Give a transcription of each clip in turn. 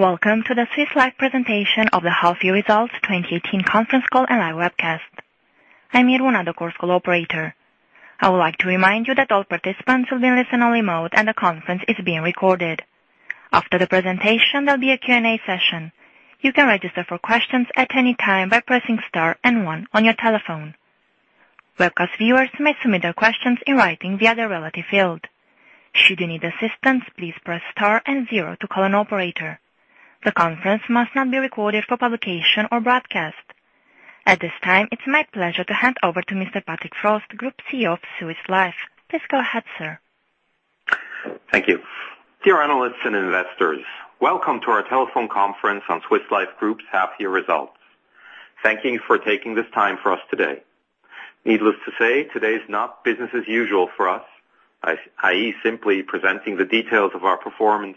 Welcome to the Swiss Life presentation of the half year results 2018 conference call and live webcast. I'm Iruna, the call operator. I would like to remind you that all participants will be listening only remote, and the conference is being recorded. After the presentation, there'll be a Q&A session. You can register for questions at any time by pressing star and one on your telephone. Webcast viewers may submit their questions in writing via the relevant field. Should you need assistance, please press star and zero to call an operator. The conference must not be recorded for publication or broadcast. At this time, it's my pleasure to hand over to Mr. Patrick Frost, Group CEO of Swiss Life. Please go ahead, sir. Thank you. Dear analysts and investors, welcome to our telephone conference on Swiss Life Group's half-year results. Thank you for taking this time for us today. Needless to say, today's not business as usual for us, i.e., simply presenting the details of our performance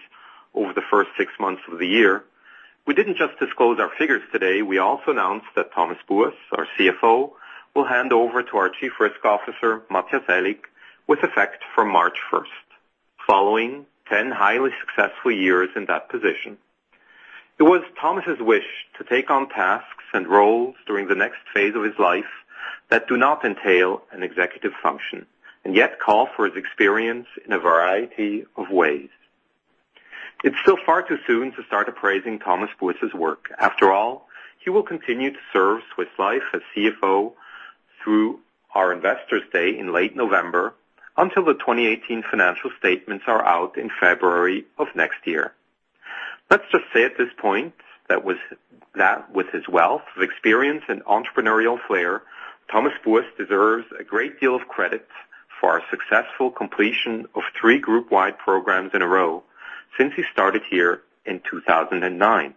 over the first six months of the year. We didn't just disclose our figures today. We also announced that Thomas Buess, our CFO, will hand over to our Chief Risk Officer, Matthias Aellig, with effect from March 1st, following 10 highly successful years in that position. It was Thomas's wish to take on tasks and roles during the next phase of his life that do not entail an executive function, and yet call for his experience in a variety of ways. It's still far too soon to start appraising Thomas Buess's work. After all, he will continue to serve Swiss Life as CFO through our Investor's Day in late November, until the 2018 financial statements are out in February of next year. Let's just say at this point that with his wealth of experience and entrepreneurial flair, Thomas Buess deserves a great deal of credit for our successful completion of three group-wide programs in a row since he started here in 2009.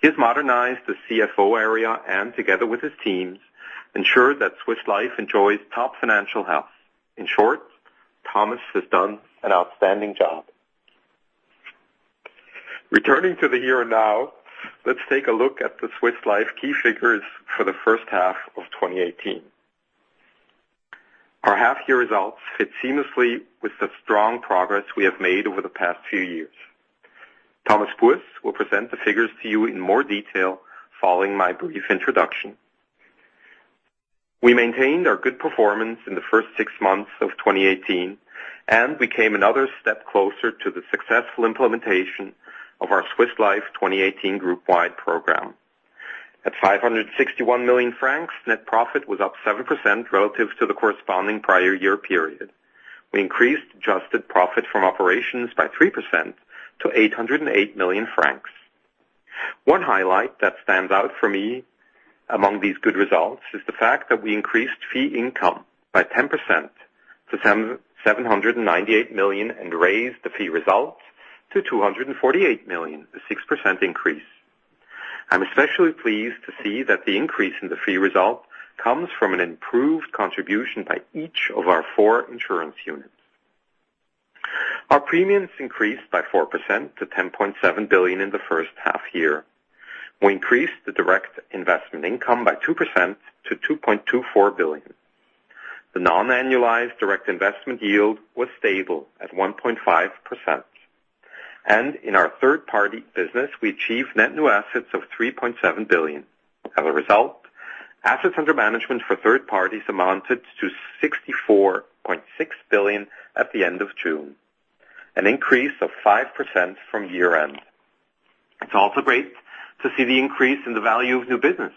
He has modernized the CFO area and together with his teams, ensured that Swiss Life enjoys top financial health. In short, Thomas has done an outstanding job. Returning to the here and now, let's take a look at the Swiss Life key figures for the first half of 2018. Our half year results fit seamlessly with the strong progress we have made over the past few years. Thomas Buess will present the figures to you in more detail following my brief introduction. We maintained our good performance in the first six months of 2018 and became another step closer to the successful implementation of our Swiss Life 2018 group-wide program. At 561 million francs, net profit was up 7% relative to the corresponding prior year period. We increased adjusted profit from operations by 3% to 808 million francs. One highlight that stands out for me among these good results is the fact that we increased fee income by 10% to 798 million and raised the fee results to 248 million, a 6% increase. I'm especially pleased to see that the increase in the fee result comes from an improved contribution by each of our four insurance units. Our premiums increased by 4% to 10.7 billion in the first half year. We increased the direct investment income by 2% to 2.24 billion. The non-annualized direct investment yield was stable at 1.5%. In our third party business, we achieved net new assets of 3.7 billion. As a result, assets under management for third parties amounted to 64.6 billion at the end of June, an increase of 5% from year end. It's also great to see the increase in the value of new business,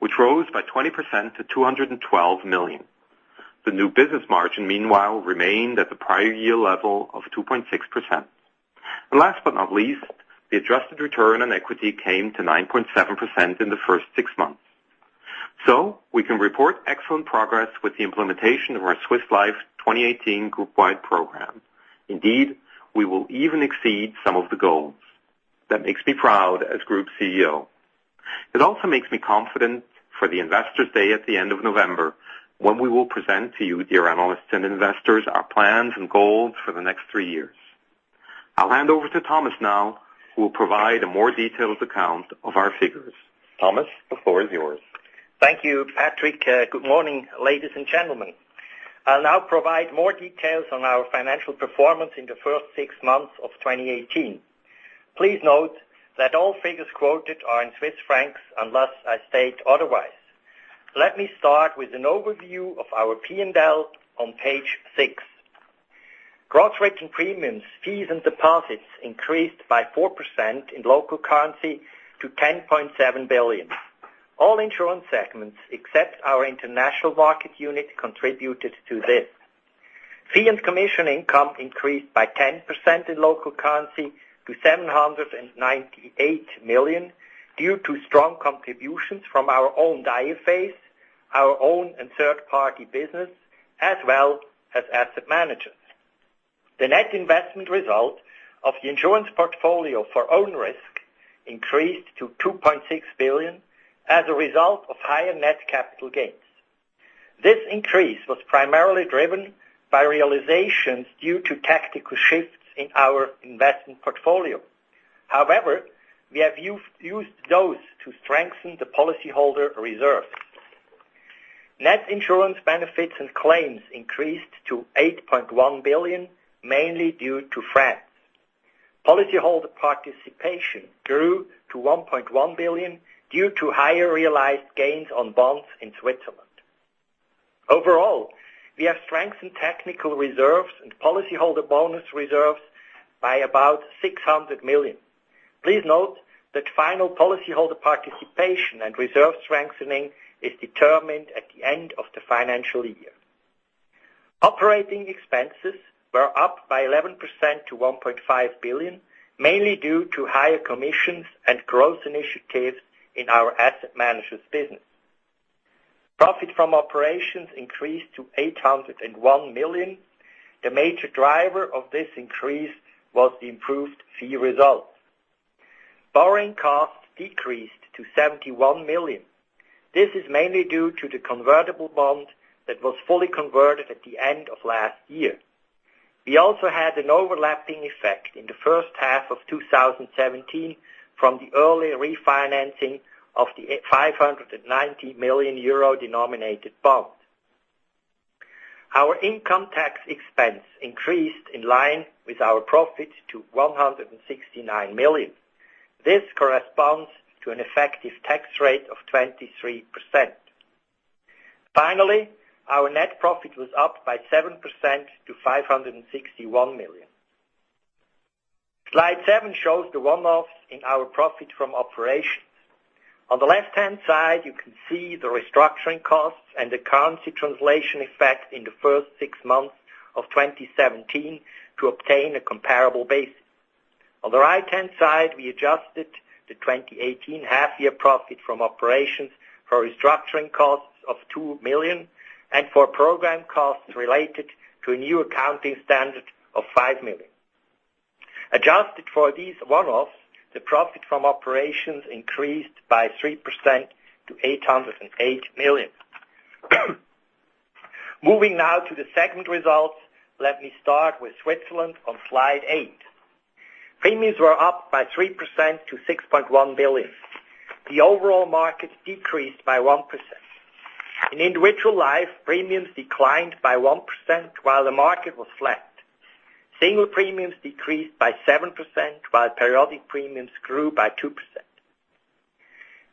which rose by 20% to 212 million. The new business margin, meanwhile, remained at the prior year level of 2.6%. Last but not least, the adjusted return on equity came to 9.7% in the first six months. We can report excellent progress with the implementation of our Swiss Life 2018 group-wide program. Indeed, we will even exceed some of the goals. That makes me proud as Group CEO. It also makes me confident for the Investors Day at the end of November, when we will present to you, dear analysts and investors, our plans and goals for the next three years. I'll hand over to Thomas now, who will provide a more detailed account of our figures. Thomas, the floor is yours. Thank you, Patrick. Good morning, ladies and gentlemen. I'll now provide more details on our financial performance in the first six months of 2018. Please note that all figures quoted are in CHF unless I state otherwise. Let me start with an overview of our P&L on page six. Gross written premiums, fees, and deposits increased by 4% in local currency to 10.7 billion. All insurance segments except our international market unit contributed to this. Fee and commission income increased by 10% in local currency to 798 million due to strong contributions from our own life phase, our own and third-party business, as well as Asset Managers. The net investment result of the insurance portfolio for own risk increased to 2.6 billion as a result of higher net capital gains. This increase was primarily driven by realizations due to tactical shifts in our investment portfolio. We have used those to strengthen the policy holder reserve. Net insurance benefits and claims increased to 8.1 billion, mainly due to France. Policyholder participation grew to 1.1 billion due to higher realized gains on bonds in Switzerland. Overall, we have strengthened technical reserves and policyholder bonus reserves by about 600 million. Please note that final policyholder participation and reserve strengthening is determined at the end of the financial year. Operating expenses were up by 11% to 1.5 billion, mainly due to higher commissions and growth initiatives in our Asset Managers business. Profit from operations increased to 801 million. The major driver of this increase was the improved fee results. Borrowing costs decreased to 71 million. This is mainly due to the convertible bond that was fully converted at the end of last year. We also had an overlapping effect in the first half of 2017 from the early refinancing of the 590 million euro denominated bond. Our income tax expense increased in line with our profit to 169 million. This corresponds to an effective tax rate of 23%. Finally, our net profit was up by 7% to 561 million. Slide seven shows the one-offs in our profit from operations. On the left-hand side, you can see the restructuring costs and the currency translation effect in the first six months of 2017 to obtain a comparable basis. On the right-hand side, we adjusted the 2018 half year profit from operations for restructuring costs of 2 million and for program costs related to a new accounting standard of 5 million. Adjusted for these one-offs, the profit from operations increased by 3% to 808 million. Moving now to the segment results. Let me start with Switzerland on slide eight. Premiums were up by 3% to 6.1 billion. The overall market decreased by 1%. In individual life, premiums declined by 1% while the market was flat. Single premiums decreased by 7% while periodic premiums grew by 2%.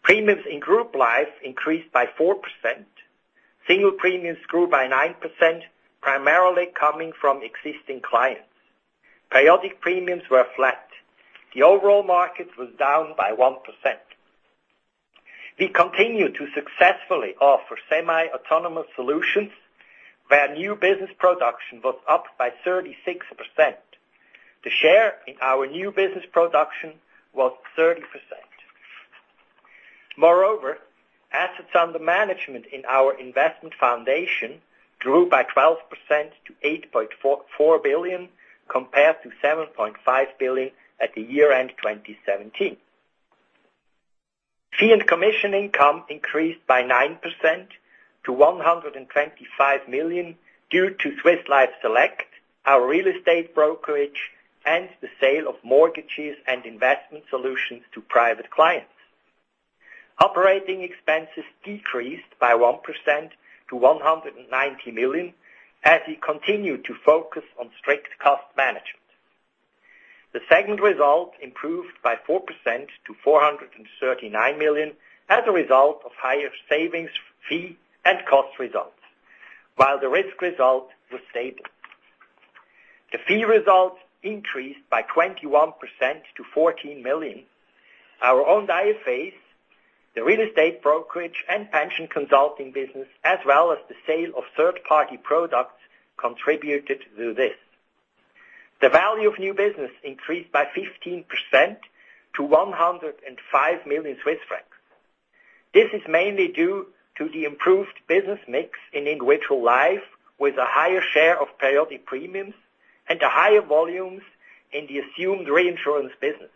Premiums in group life increased by 4%. Single premiums grew by 9%, primarily coming from existing clients. Periodic premiums were flat. The overall market was down by 1%. We continue to successfully offer semi-autonomous solutions where new business production was up by 36%. The share in our new business production was 30%. Moreover, assets under management in our investment foundation grew by 12% to 8.4 billion, compared to 7.5 billion at the year-end 2017. Fee and commission income increased by 9% to 125 million due to Swiss Life Select, our real estate brokerage, and the sale of mortgages and investment solutions to private clients. Operating expenses decreased by 1% to 190 million as we continued to focus on strict cost management. The segment result improved by 4% to 439 million as a result of higher savings, fee, and cost results. While the risk result was stable. The fee result increased by 21% to 14 million. Our own IFAs, the real estate brokerage and pension consulting business, as well as the sale of third-party products, contributed to this. The value of new business increased by 15% to 105 million Swiss francs. This is mainly due to the improved business mix in individual life with a higher share of periodic premiums and the higher volumes in the assumed reinsurance business.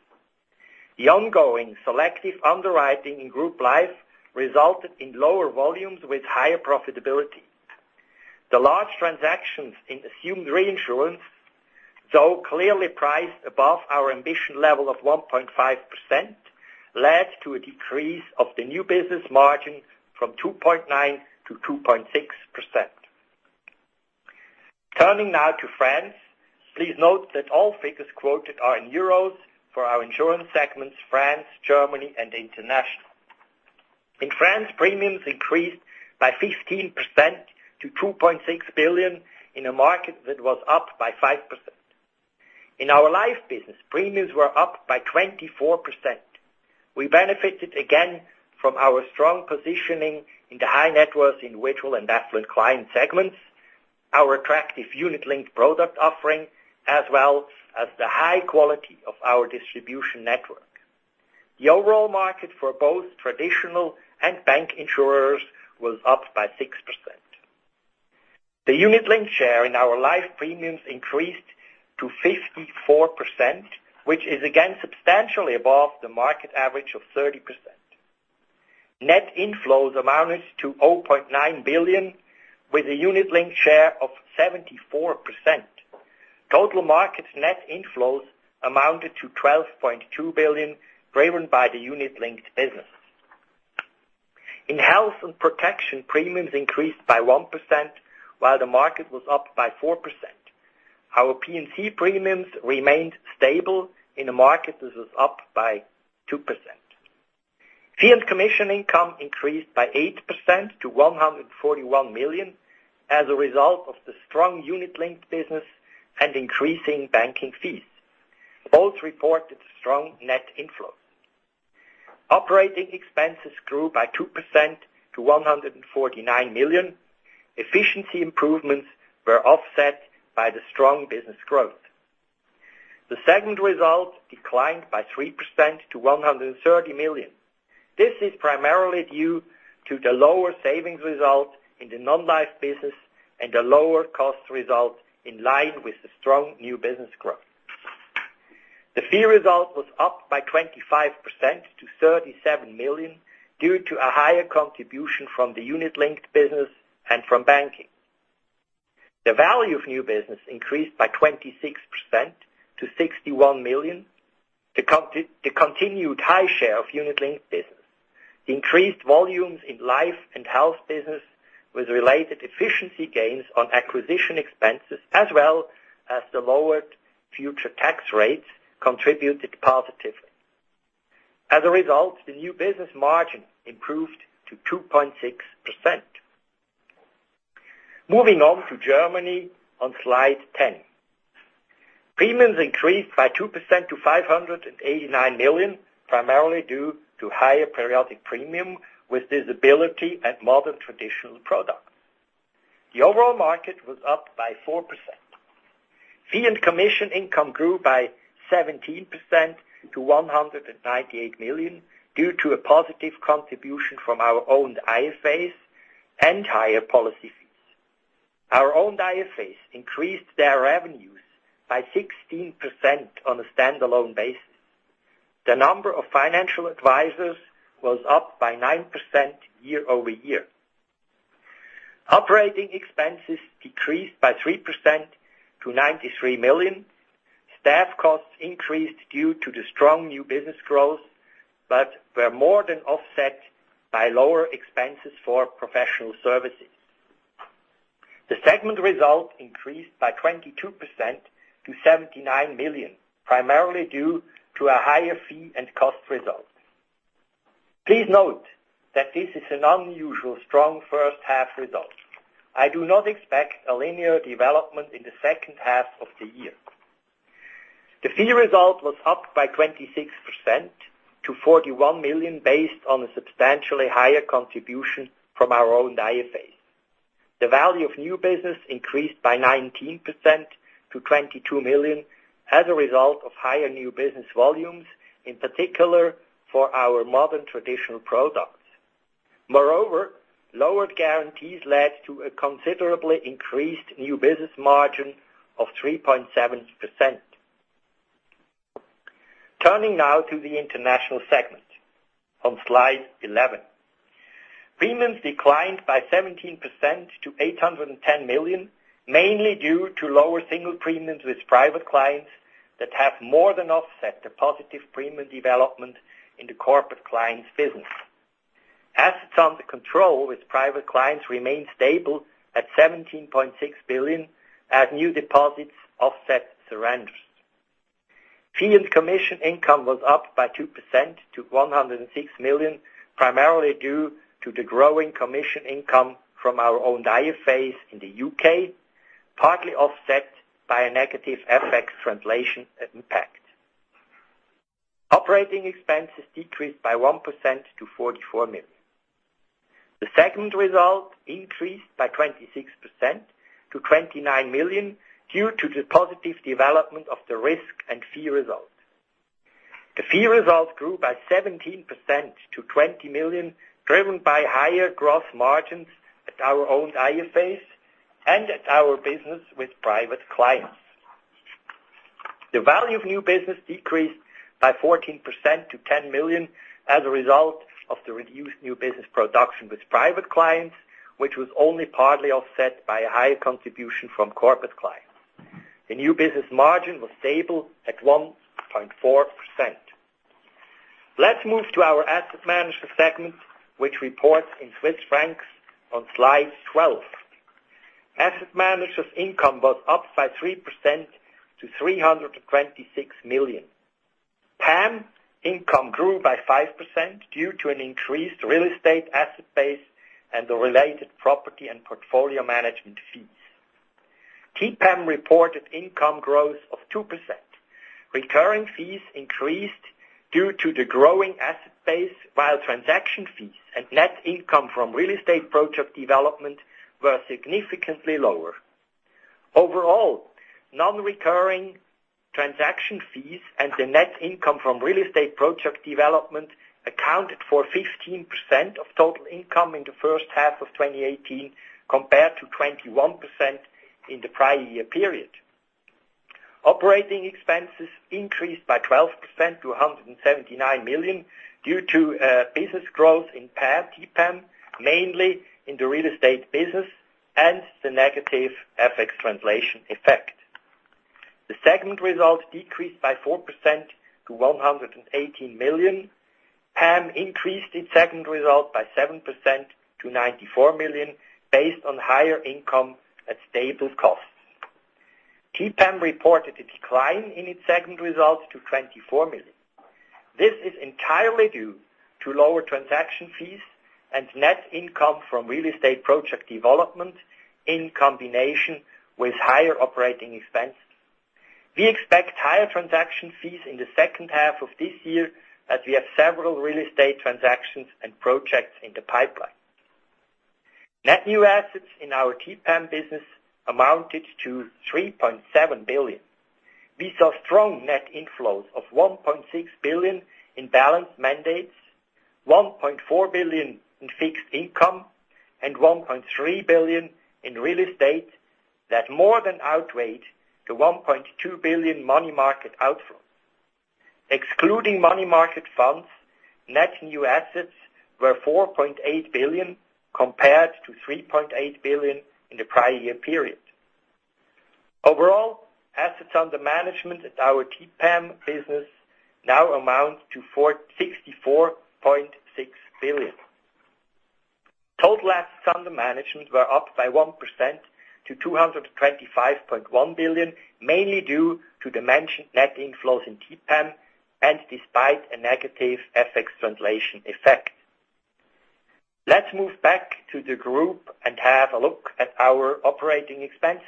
The ongoing selective underwriting in group life resulted in lower volumes with higher profitability. The large transactions in assumed reinsurance, though clearly priced above our ambition level of 1.5%, led to a decrease of the new business margin from 2.9% to 2.6%. Turning now to France. Please note that all figures quoted are in euros for our insurance segments France, Germany, and International. In France, premiums increased by 15% to 2.6 billion in a market that was up by 5%. In our life business, premiums were up by 24%. We benefited again from our strong positioning in the high net worth individual and affluent client segments, our attractive unit-linked product offering, as well as the high quality of our distribution network. The overall market for both traditional and bank insurers was up by 6%. The unit-linked share in our life premiums increased to 54%, which is again substantially above the market average of 30%. Net inflows amounted to 0.9 billion, with a unit-linked share of 74%. Total market net inflows amounted to 12.2 billion, driven by the unit-linked business. In health and protection, premiums increased by 1%, while the market was up by 4%. Our P&C premiums remained stable in a market that was up by 2%. Fee and commission income increased by 8% to 141 million as a result of the strong unit-linked business and increasing banking fees. Both reported strong net inflows. Operating expenses grew by 2% to 149 million. Efficiency improvements were offset by the strong business growth. The segment result declined by 3% to 130 million. This is primarily due to the lower savings result in the non-life business and the lower cost result in line with the strong new business growth. The fee result was up by 25% to 37 million due to a higher contribution from the unit-linked business and from banking. The value of new business increased by 26% to 61 million. The continued high share of unit-linked business, increased volumes in life and health business with related efficiency gains on acquisition expenses, as well as the lowered future tax rates, contributed positively. As a result, the new business margin improved to 2.6%. Moving on to Germany on slide 10. Premiums increased by 2% to 589 million, primarily due to higher periodic premium with disability and modern traditional products. The overall market was up by 4%. Fee and commission income grew by 17% to 198 million due to a positive contribution from our owned IFAs and higher policy fees. Our owned IFAs increased their revenues by 16% on a standalone basis. The number of financial advisors was up by 9% year-over-year. Operating expenses decreased by 3% to 93 million. Staff costs increased due to the strong new business growth, but were more than offset by lower expenses for professional services. The segment result increased by 22% to 79 million, primarily due to a higher fee and cost result. Please note that this is an unusual strong first half result. I do not expect a linear development in the second half of the year. The fee result was up by 26% to 41 million based on a substantially higher contribution from our own IFAs. The value of new business increased by 19% to 22 million as a result of higher new business volumes, in particular for our modern traditional products. Moreover, lowered guarantees led to a considerably increased new business margin of 3.7%. Turning now to the international segment on slide 11. Premiums declined by 17% to 810 million, mainly due to lower single premiums with private clients that have more than offset the positive premium development in the corporate clients business. Assets under control with private clients remain stable at 17.6 billion as new deposits offset surrenders. Fee and commission income was up by 2% to 106 million, primarily due to the growing commission income from our own IFAs in the U.K., partly offset by a negative FX translation impact. Operating expenses decreased by 1% to 44 million. The segment result increased by 26% to 29 million due to the positive development of the risk and fee result. The fee result grew by 17% to 20 million, driven by higher gross margins at our own IFAs and at our business with private clients. The value of new business decreased by 14% to 10 million as a result of the reduced new business production with private clients, which was only partly offset by a higher contribution from corporate clients. The new business margin was stable at 1.4%. Let's move to our asset management segment, which reports in Swiss francs on slide 12. Asset management income was up by 3% to 326 million. PAM income grew by 5% due to an increased real estate asset base and the related property and portfolio management fees. TPAM reported income growth of 2%. Recurring fees increased due to the growing asset base, while transaction fees and net income from real estate project development were significantly lower. Overall, non-recurring transaction fees and the net income from real estate project development accounted for 15% of total income in the first half of 2018, compared to 21% in the prior year period. Operating expenses increased by 12% to 179 million due to business growth in PAM, mainly in the real estate business and the negative FX translation effect. The segment result decreased by 4% to 118 million. PAM increased its segment result by 7% to 94 million based on higher income at stable costs. TPAM reported a decline in its segment results to 24 million. This is entirely due to lower transaction fees and net income from real estate project development in combination with higher operating expenses. We expect higher transaction fees in the second half of this year as we have several real estate transactions and projects in the pipeline. Net new assets in our TPAM business amounted to 3.7 billion. We saw strong net inflows of 1.6 billion in balanced mandates, 1.4 billion in fixed income, and 1.3 billion in real estate that more than outweighed the 1.2 billion money market outflow. Excluding money market funds, net new assets were 4.8 billion, compared to 3.8 billion in the prior year period. Overall, assets under management at our TPAM business now amount to 64.6 billion. Total assets under management were up by 1% to 225.1 billion, mainly due to the mentioned net inflows in TPAM and despite a negative FX translation effect. Let's move back to the group and have a look at our operating expenses.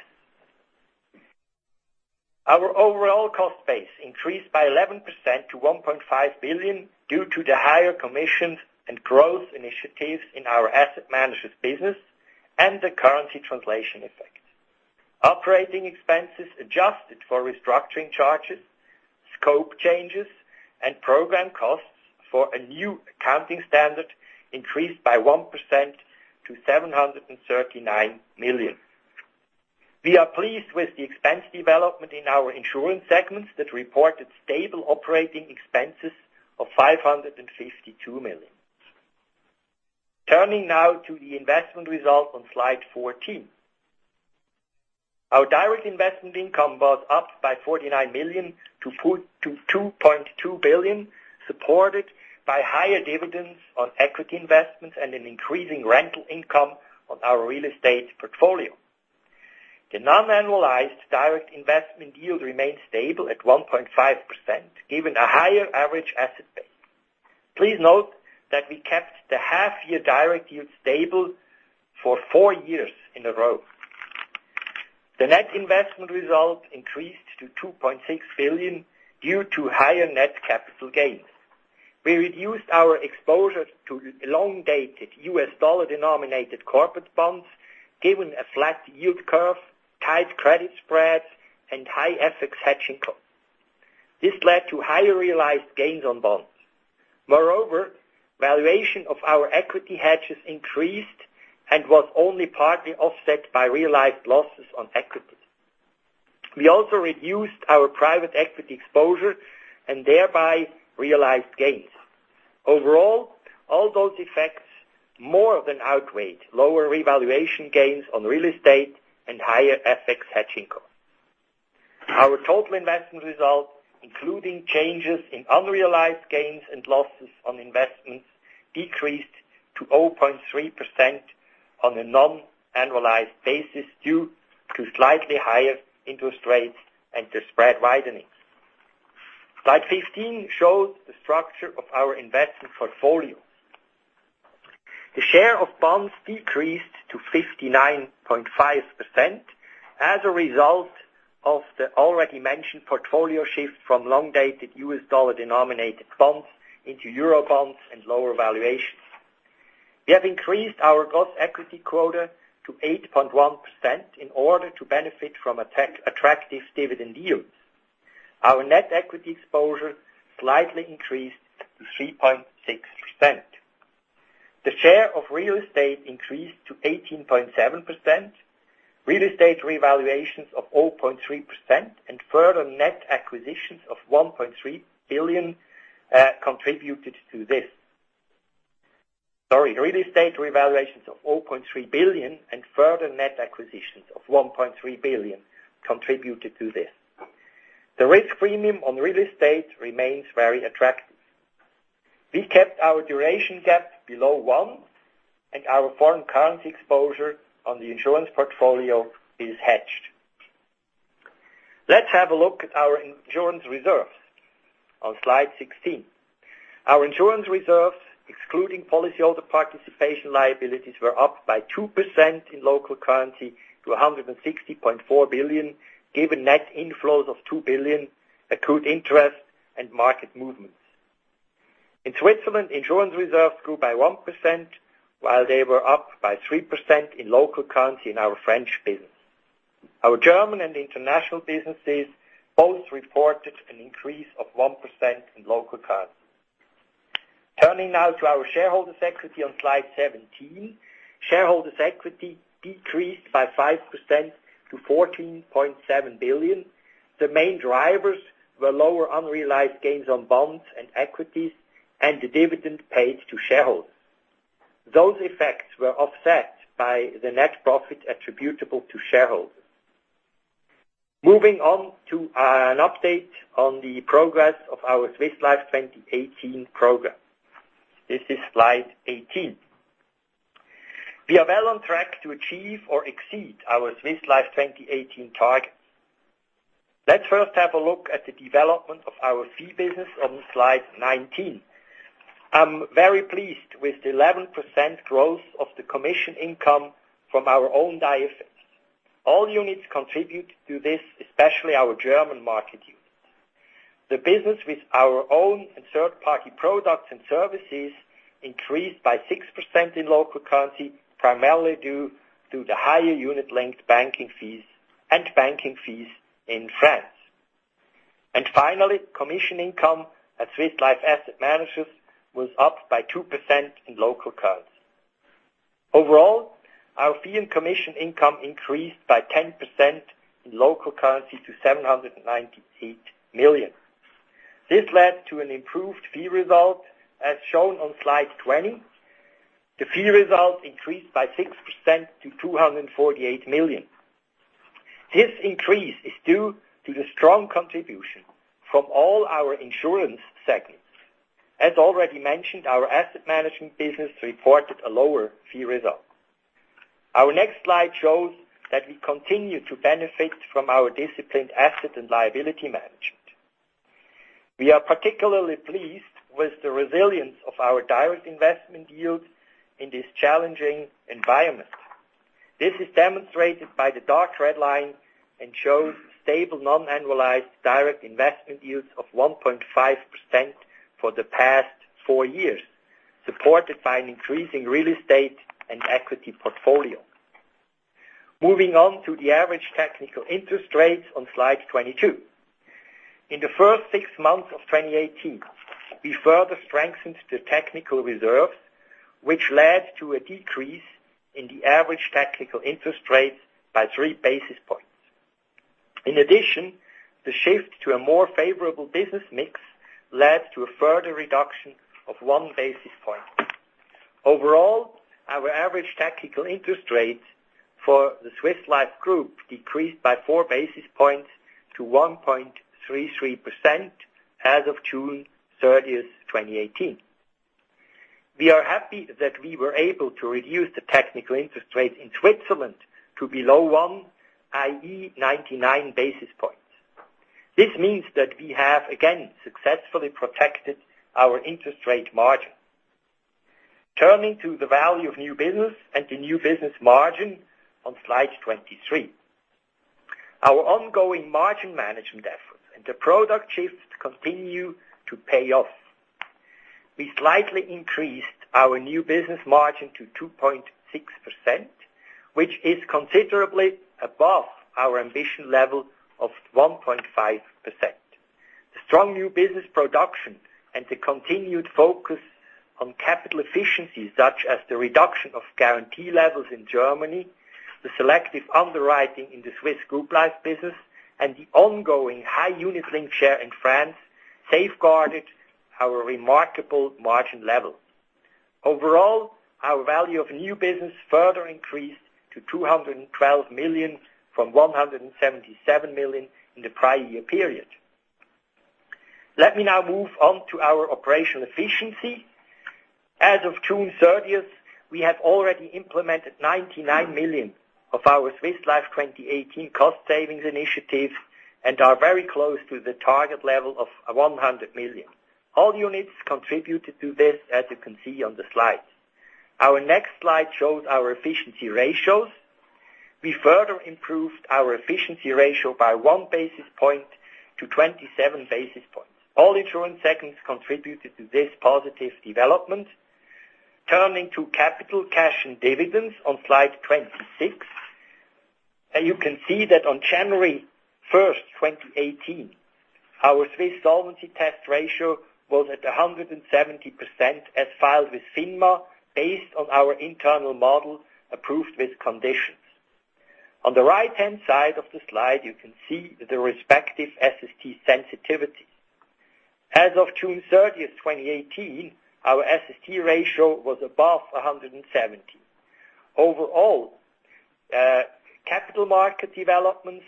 Our overall cost base increased by 11% to 1.5 billion due to the higher commissions and growth initiatives in our asset managers business and the currency translation effect. Operating expenses adjusted for restructuring charges, scope changes, and program costs for a new accounting standard increased by 1% to 739 million. We are pleased with the expense development in our insurance segments that reported stable operating expenses of 552 million. Turning now to the investment result on slide 14. Our direct investment income was up by 49 million to 2.2 billion, supported by higher dividends on equity investments and an increasing rental income on our real estate portfolio. The non-annualized direct investment yield remained stable at 1.5%, given a higher average asset base. Please note that we kept the half-year direct yield stable for four years in a row. The net investment result increased to 2.6 billion due to higher net capital gains. We reduced our exposure to long-dated US dollar-denominated corporate bonds, given a flat yield curve, tight credit spreads, and high FX hedging costs. This led to higher realized gains on bonds. Valuation of our equity hedges increased and was only partly offset by realized losses on equities. We also reduced our private equity exposure and thereby realized gains. All those effects more than outweighed lower revaluation gains on real estate and higher FX hedging costs. Our total investment results, including changes in unrealized gains and losses on investments, decreased to 0.3% on a non-annualized basis due to slightly higher interest rates and to spread widenings. Slide 15 shows the structure of our investment portfolio. The share of bonds decreased to 59.5% as a result of the already mentioned portfolio shift from long-dated US dollar-denominated bonds into EUR bonds and lower valuations. We have increased our gross equity quota to 8.1% in order to benefit from attractive dividend yields. Our net equity exposure slightly increased to 3.6%. The share of real estate increased to 18.7%. Real estate revaluations of 0.3% and further net acquisitions of 1.3 billion contributed to this. Sorry, real estate revaluations of 4.3 billion and further net acquisitions of 1.3 billion contributed to this. The risk premium on real estate remains very attractive. We kept our duration gap below one, and our foreign currency exposure on the insurance portfolio is hedged. Let's have a look at our insurance reserves on slide 16. Our insurance reserves, excluding policyholder participation liabilities, were up by 2% in local currency to 160.4 billion, given net inflows of 2 billion, accrued interest, and market movements. In Switzerland, insurance reserves grew by 1%, while they were up by 3% in local currency in our French business. Our German and international businesses both reported an increase of 1% in local currency. Turning now to our shareholders' equity on slide 17. Shareholders' equity decreased by 5% to 14.7 billion. The main drivers were lower unrealized gains on bonds and equities and the dividend paid to shareholders. Those effects were offset by the net profit attributable to shareholders. An update on the progress of our Swiss Life 2018 program. This is slide 18. We are well on track to achieve or exceed our Swiss Life 2018 targets. Let's first have a look at the development of our fee business on slide 19. I am very pleased with the 11% growth of the commission income from our own IFAs. All units contribute to this, especially our German market units. The business with our own and third-party products and services increased by 6% in local currency, primarily due to the higher unit-linked banking fees and banking fees in France. Finally, commission income at Swiss Life Asset Managers was up by 2% in local currency. Our fee and commission income increased by 10% in local currency to 798 million. This led to an improved fee result as shown on slide 20. The fee result increased by 6% to 248 million. This increase is due to the strong contribution from all our insurance segments. As already mentioned, our asset management business reported a lower fee result. Our next slide shows that we continue to benefit from our disciplined asset and liability management. We are particularly pleased with the resilience of our direct investment yields in this challenging environment. This is demonstrated by the dark red line and shows stable non-annualized direct investment yields of 1.5% for the past four years, supported by an increasing real estate and equity portfolio. Moving on to the average technical interest rates on slide 22. In the first six months of 2018, we further strengthened the technical reserves, which led to a decrease in the average technical interest rates by three basis points. In addition, the shift to a more favorable business mix led to a further reduction of one basis point. Overall, our average technical interest rates for the Swiss Life Group decreased by four basis points to 1.33% as of June 30th, 2018. We are happy that we were able to reduce the technical interest rate in Switzerland to below one, i.e., 99 basis points. This means that we have again successfully protected our interest rate margin. Turning to the value of new business and the new business margin on slide 23. Our ongoing margin management efforts and the product shifts continue to pay off. We slightly increased our new business margin to 2.6%, which is considerably above our ambition level of 1.5%. The strong new business production and the continued focus on capital efficiency, such as the reduction of guarantee levels in Germany, the selective underwriting in the Swiss group life business, and the ongoing high unit-linked share in France, safeguarded our remarkable margin levels. Overall, our value of new business further increased to 212 million from 177 million in the prior year period. Let me now move on to our operational efficiency. As of June 30th, we have already implemented 99 million of our Swiss Life 2018 cost savings initiative and are very close to the target level of 100 million. All units contributed to this, as you can see on the slide. Our next slide shows our efficiency ratios. We further improved our efficiency ratio by one basis point to 27 basis points. All insurance segments contributed to this positive development. Turning to capital cash and dividends on slide 26. You can see that on January 1st, 2018, our Swiss Solvency Test ratio was at 170% as filed with FINMA, based on our internal model approved with conditions. On the right-hand side of the slide, you can see the respective SST sensitivity. As of June 30th, 2018, our SST ratio was above 170%. Overall, capital market developments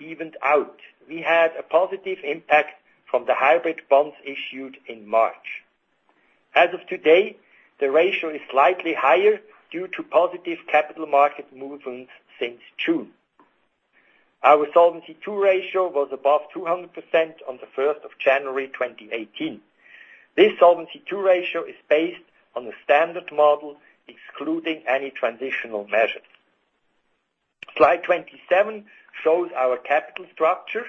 evened out. We had a positive impact from the hybrid bonds issued in March. As of today, the ratio is slightly higher due to positive capital market movements since June. Our Solvency II ratio was above 200% on the 1st of January 2018. This Solvency II ratio is based on the standard model, excluding any transitional measures. Slide 27 shows our capital structure.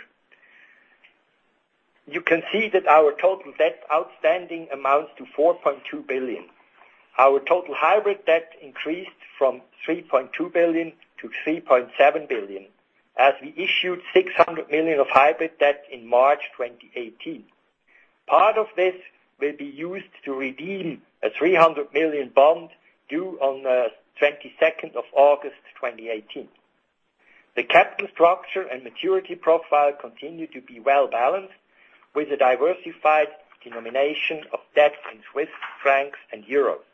You can see that our total debt outstanding amounts to 4.2 billion. Our total hybrid debt increased from 3.2 billion to 3.7 billion, as we issued 600 million of hybrid debt in March 2018. Part of this will be used to redeem a 300 million bond due on the 22nd of August 2018. The capital structure and maturity profile continue to be well-balanced with a diversified denomination of debt in Swiss francs and euros.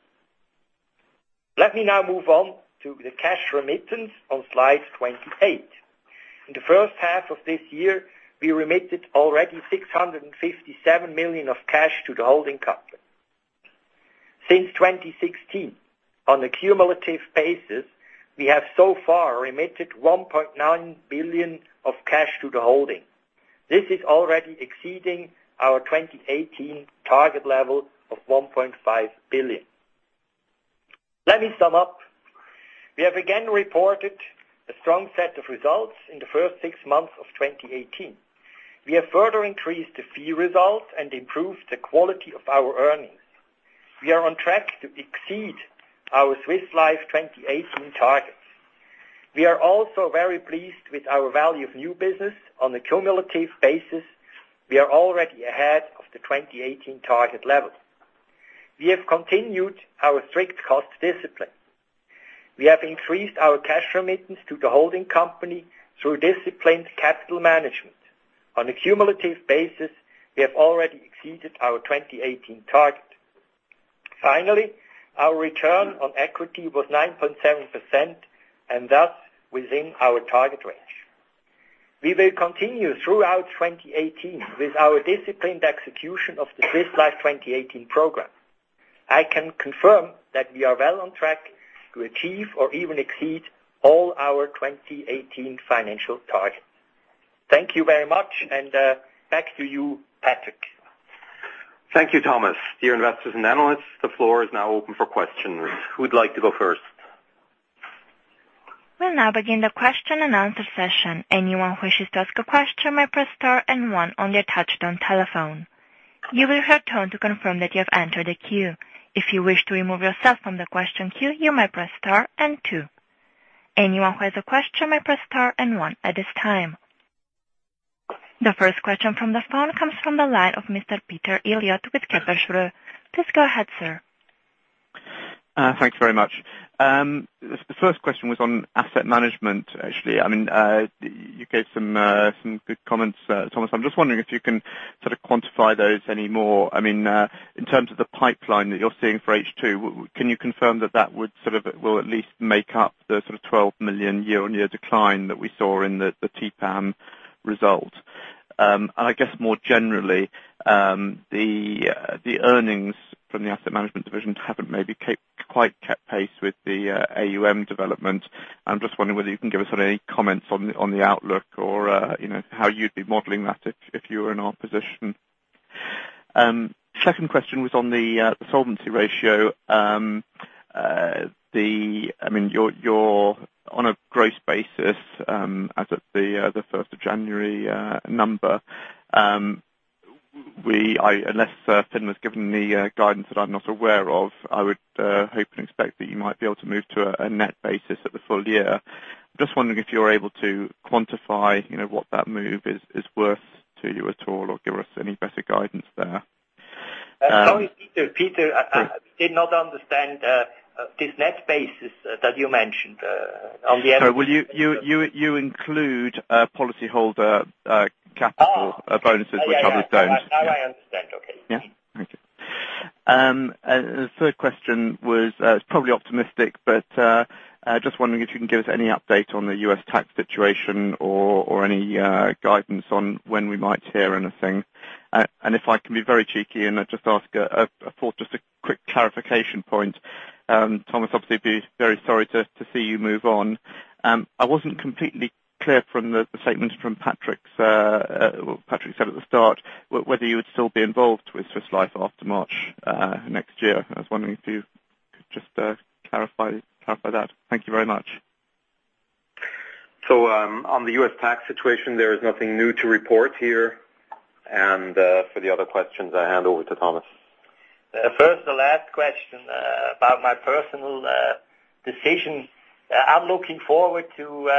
Let me now move on to the cash remittance on slide 28. In the first half of this year, we remitted already 657 million of cash to the holding company. Since 2016, on a cumulative basis, we have so far remitted 1.9 billion of cash to the holding. This is already exceeding our 2018 target level of 1.5 billion. Let me sum up. We have again reported a strong set of results in the first six months of 2018. We have further increased the fee result and improved the quality of our earnings. We are on track to exceed our Swiss Life 2018 targets. We are also very pleased with our value of new business. On a cumulative basis, we are already ahead of the 2018 target level. We have continued our strict cost discipline. We have increased our cash remittance to the holding company through disciplined capital management. On a cumulative basis, we have already exceeded our 2018 target. Finally, our return on equity was 9.7%, and thus, within our target range. We will continue throughout 2018 with our disciplined execution of the Swiss Life 2018 program. I can confirm that we are well on track to achieve or even exceed all our 2018 financial targets. Thank you very much. Back to you, Patrick. Thank you, Thomas. Dear investors and analysts, the floor is now open for questions. Who'd like to go first? We'll now begin the question and answer session. Anyone who wishes to ask a question may press star and one on their touchtone telephone. You will hear a tone to confirm that you have entered the queue. If you wish to remove yourself from the question queue, you may press star and two. Anyone who has a question may press star and one at this time. The first question from the phone comes from the line of Mr. Peter Eliot with Kepler Cheuvreux. Please go ahead, sir. Thanks very much. The first question was on asset management, actually. You gave some good comments, Thomas. I'm just wondering if you can sort of quantify those any more. In terms of the pipeline that you're seeing for H2, can you confirm that would at least make up the sort of 12 million year-on-year decline that we saw in the TPAM result? I guess more generally, the earnings from the asset management division haven't maybe quite kept pace with the AUM development. I'm just wondering whether you can give us any comments on the outlook or how you'd be modeling that if you were in our position. Second question was on the solvency ratio. On a gross basis, as of the 1st of January number. Unless FINMA was given the guidance that I'm not aware of, I would hope and expect that you might be able to move to a net basis at the full year. I'm just wondering if you're able to quantify what that move is worth to you at all, or give us any better guidance there. Sorry, Peter. I did not understand this net basis that you mentioned on the- Sorry, you include policyholder capital bonuses which are- Now I understand. Okay. Yeah? Thank you. The third question was, it's probably optimistic, but just wondering if you can give us any update on the U.S. tax situation or any guidance on when we might hear anything. If I can be very cheeky and just ask a fourth, just a quick clarification point. Thomas, obviously it'd be very sorry to see you move on. I wasn't completely clear from the statement from what Patrick said at the start, whether you would still be involved with Swiss Life after March next year. I was wondering if you could just clarify that. Thank you very much. On the U.S. tax situation, there is nothing new to report here. For the other questions, I hand over to Thomas. First, the last question about my personal decision. I'm looking forward to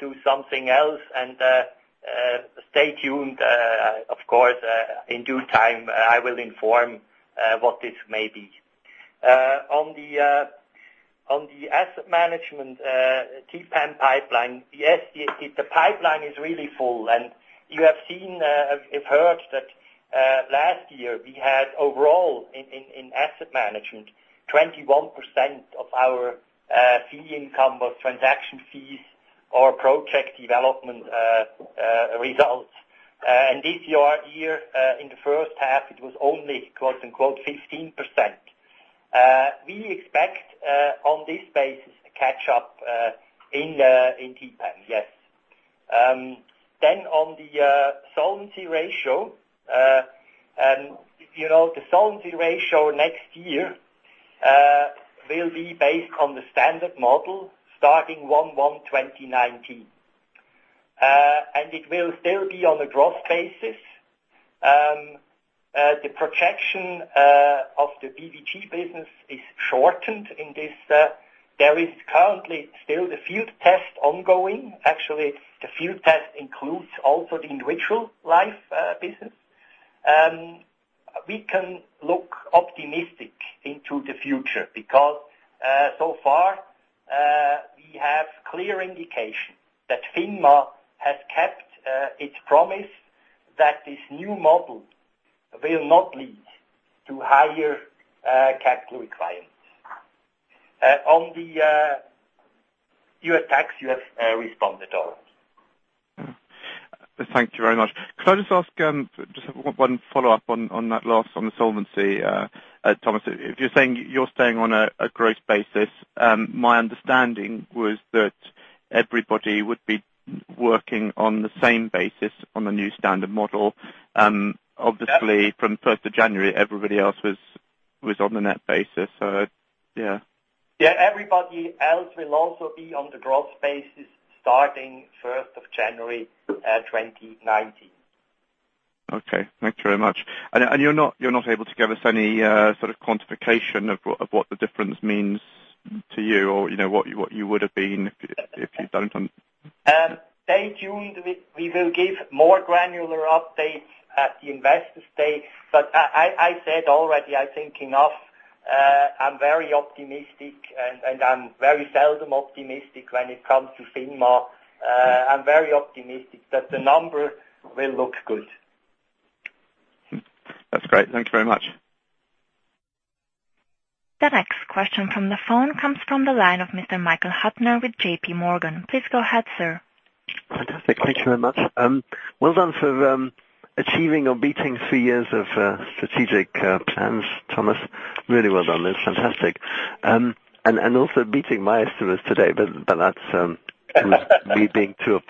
do something else and stay tuned. Of course, in due time, I will inform what this may be. On the asset management, TPAM pipeline. Yes, the pipeline is really full, you have heard that last year we had, overall, in asset management, 21% of our fee income was transaction fees or project development results. This year, in the first half, it was only quote unquote 15%. We expect, on this basis, a catch up in TPAM, yes. On the solvency ratio. The solvency ratio next year will be based on the standard model starting 01/01/2019. It will still be on a gross basis. The projection of the BVG business is shortened in this. There is currently still the field test ongoing. Actually, the field test includes also the individual life business. We can look optimistic into the future because so far we have clear indication that FINMA has kept its promise that this new model will not lead to higher capital requirements. On the U.S. tax, you have responded already. Thank you very much. Could I just ask, just one follow-up on that last, on the solvency, Thomas. If you're saying you're staying on a gross basis, my understanding was that everybody would be working on the same basis on the new standard model. Obviously, from the first of January, everybody else was on the net basis. Yeah, everybody else will also be on the gross basis starting first of January 2019. Okay. Thank you very much. You're not able to give us any sort of quantification of what the difference means to you or what you would've been if you don't. Stay tuned. We will give more granular updates at the investor day. I said already, I think enough. I'm very optimistic, I'm very seldom optimistic when it comes to FINMA. I'm very optimistic that the number will look good. That's great. Thank you very much. The next question from the phone comes from the line of Mr. Michael Huttner with JPMorgan. Please go ahead, sir. Fantastic. Thank you very much. Well done for achieving or beating three years of strategic plans, Thomas. Really well done. That's fantastic. Also beating my estimates today, me being too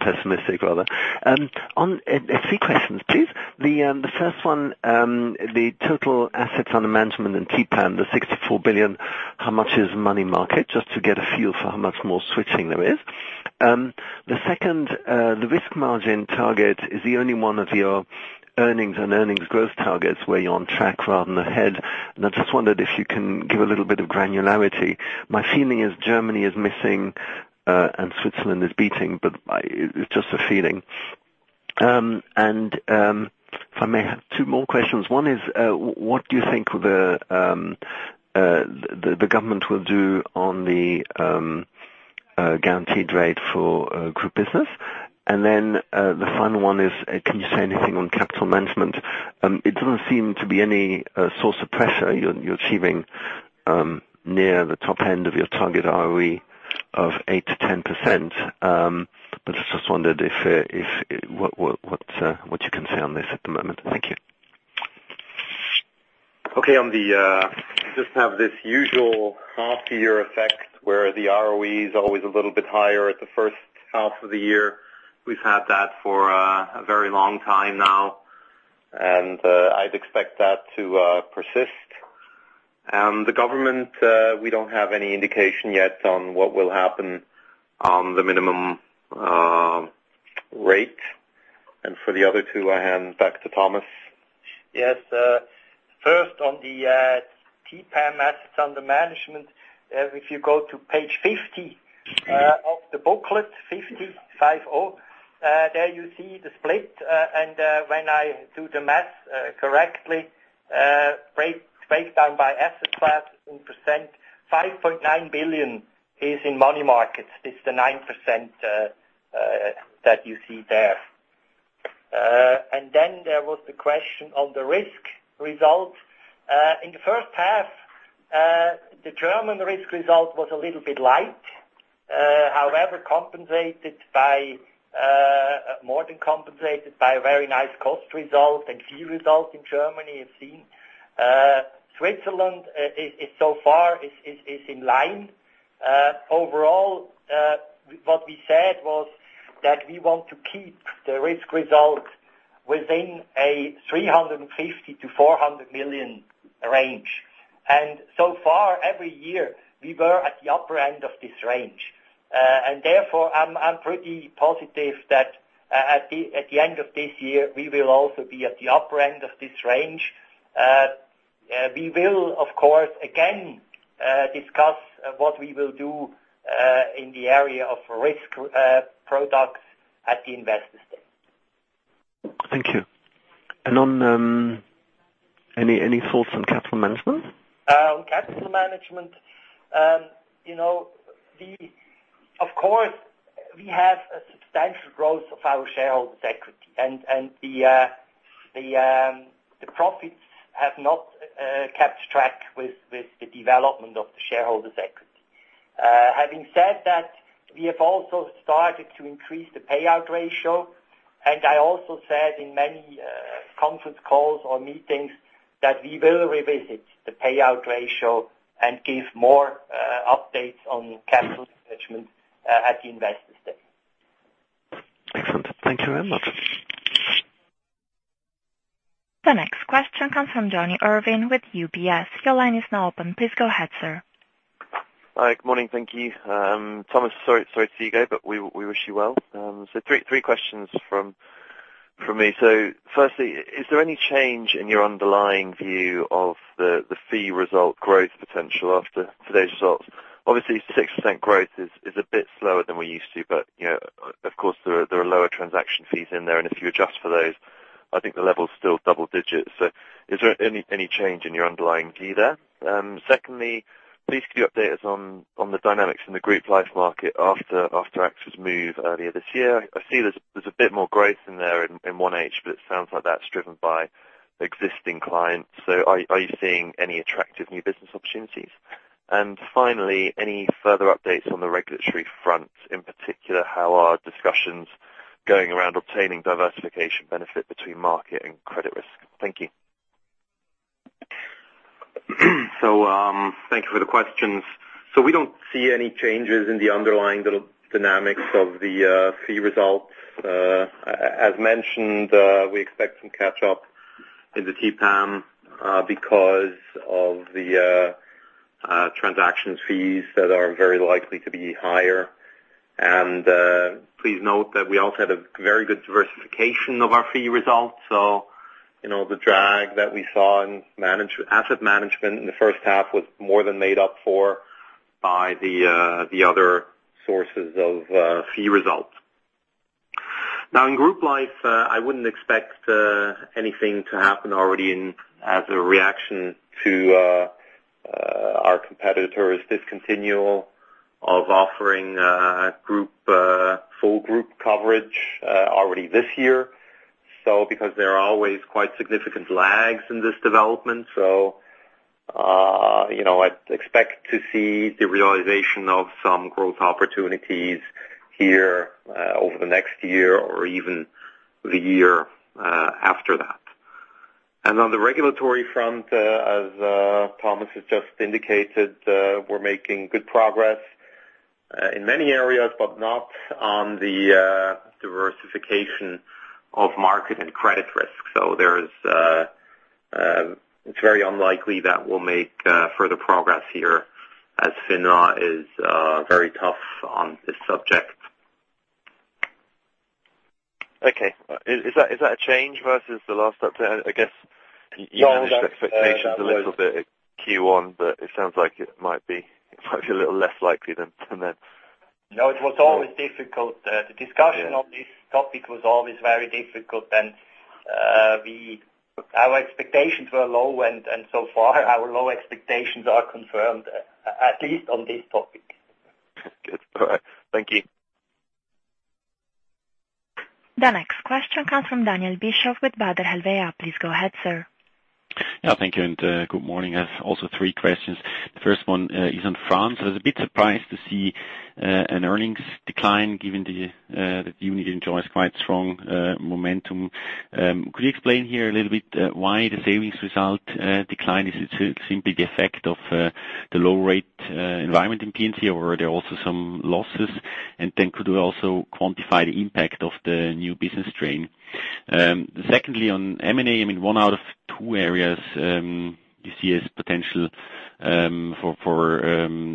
pessimistic, rather. Three questions, please. The first one, the total assets under management in TPAM, the 64 billion, how much is money market? Just to get a feel for how much more switching there is. The second, the risk margin target is the only one of your earnings and earnings growth targets where you're on track rather than ahead, and I just wondered if you can give a little bit of granularity. My feeling is Germany is missing, and Switzerland is beating, but it's just a feeling. If I may have two more questions. One is, what do you think the government will do on the guaranteed rate for group business? The final one is, can you say anything on capital management? It doesn't seem to be any source of pressure. You're achieving near the top end of your target ROE of 8%-10%. I just wondered what you can say on this at the moment. Thank you. Okay. We just have this usual half-year effect where the ROE is always a little bit higher at the first half of the year. We've had that for a very long time now. I'd expect that to persist. The government, we don't have any indication yet on what will happen on the minimum rate. For the other two, I hand back to Thomas. Yes. First, on the TPAM assets under management. If you go to page 50 of the booklet, fifty, five-O. There you see the split. When I do the math correctly, breakdown by asset class in percent, 5.9 billion is in money markets, it's the 9% that you see there. There was the question on the risk result. In the first half, the German risk result was a little bit light. However, more than compensated by a very nice cost result and fee result in Germany, I've seen. Switzerland so far is in line. Overall, what we said was that we want to keep the risk result within a 350 million-400 million range. So far, every year, we were at the upper end of this range. Therefore, I'm pretty positive that at the end of this year, we will also be at the upper end of this range. We will, of course, again, discuss what we will do in the area of risk products at the investor day. Thank you. Any thoughts on capital management? On capital management, of course, we have a substantial growth of our shareholders' equity. The profits have not kept track with the development of the shareholders' equity. Having said that, we have also started to increase the payout ratio. I also said in many conference calls or meetings that we will revisit the payout ratio and give more updates on capital management at the investor day. Excellent. Thank you very much. The next question comes from Jonny Urwin with UBS. Your line is now open. Please go ahead, sir. Hi. Good morning. Thank you. Thomas, sorry to see you go. We wish you well. Three questions from me. Firstly, is there any change in your underlying view of the fee result growth potential after today's results? Obviously 6% growth is a bit slower than we're used to, but of course, there are lower transaction fees in there, and if you adjust for those, I think the level is still double digits. Is there any change in your underlying G there? Secondly, please could you update us on the dynamics in the group life market after AXA's move earlier this year? I see there's a bit more growth in there in 1H, but it sounds like that's driven by existing clients. Are you seeing any attractive new business opportunities? Finally, any further updates on the regulatory front? In particular, how are discussions going around obtaining diversification benefit between market and credit risk? Thank you. Thank you for the questions. We don't see any changes in the underlying dynamics of the fee results. As mentioned, we expect some catch-up in the TPAM because of the transactions fees that are very likely to be higher. Please note that we also had a very good diversification of our fee results. The drag that we saw in asset management in the first half was more than made up for by the other sources of fee results. Now, in group life, I wouldn't expect anything to happen already as a reaction to our competitor's discontinue of offering full group coverage already this year. There are always quite significant lags in this development. I'd expect to see the realization of some growth opportunities here over the next year or even the year after that. On the regulatory front, as Thomas has just indicated, we're making good progress in many areas, but not on the diversification of market and credit risk. It's very unlikely that we'll make further progress here as FINMA is very tough on this subject. Okay. Is that a change versus the last update? No. You managed expectations a little bit at Q1, but it sounds like it might be a little less likely than that. No, it was always difficult. Yeah. The discussion on this topic was always very difficult, and our expectations were low, and so far, our low expectations are confirmed, at least on this topic. Good. All right. Thank you. The next question comes from Daniel Bischof with Baader Helvea. Please go ahead, sir. Yeah. Thank you, and good morning. I have also three questions. The first one is on France. I was a bit surprised to see an earnings decline given the unit enjoys quite strong momentum. Could you explain here a little bit why the savings result decline? Is it simply the effect of the low rate environment in P&C, or are there also some losses? Could we also quantify the impact of the new business strain? Secondly, on M&A, one out of two areas you see as potential for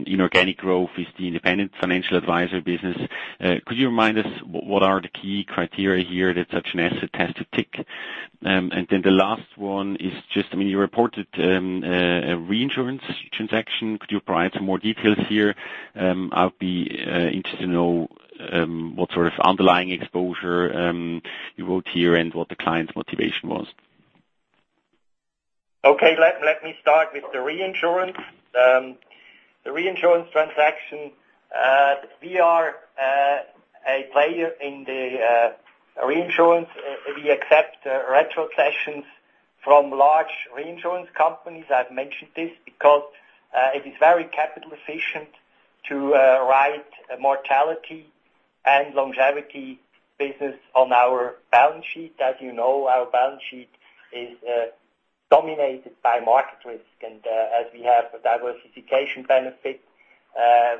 inorganic growth is the independent financial advisory business. Could you remind us what are the key criteria here that such an asset has to tick? The last one is just, you reported a reinsurance transaction. Could you provide some more details here? I would be interested to know what sort of underlying exposure you wrote here and what the client's motivation was. Okay. Let me start with the reinsurance. The reinsurance transaction, we are a player in the reinsurance. We accept retrocessions from large reinsurance companies. I've mentioned this because it is very capital efficient to write mortality and longevity business on our balance sheet. As you know, our balance sheet is dominated by market risk. As we have a diversification benefit,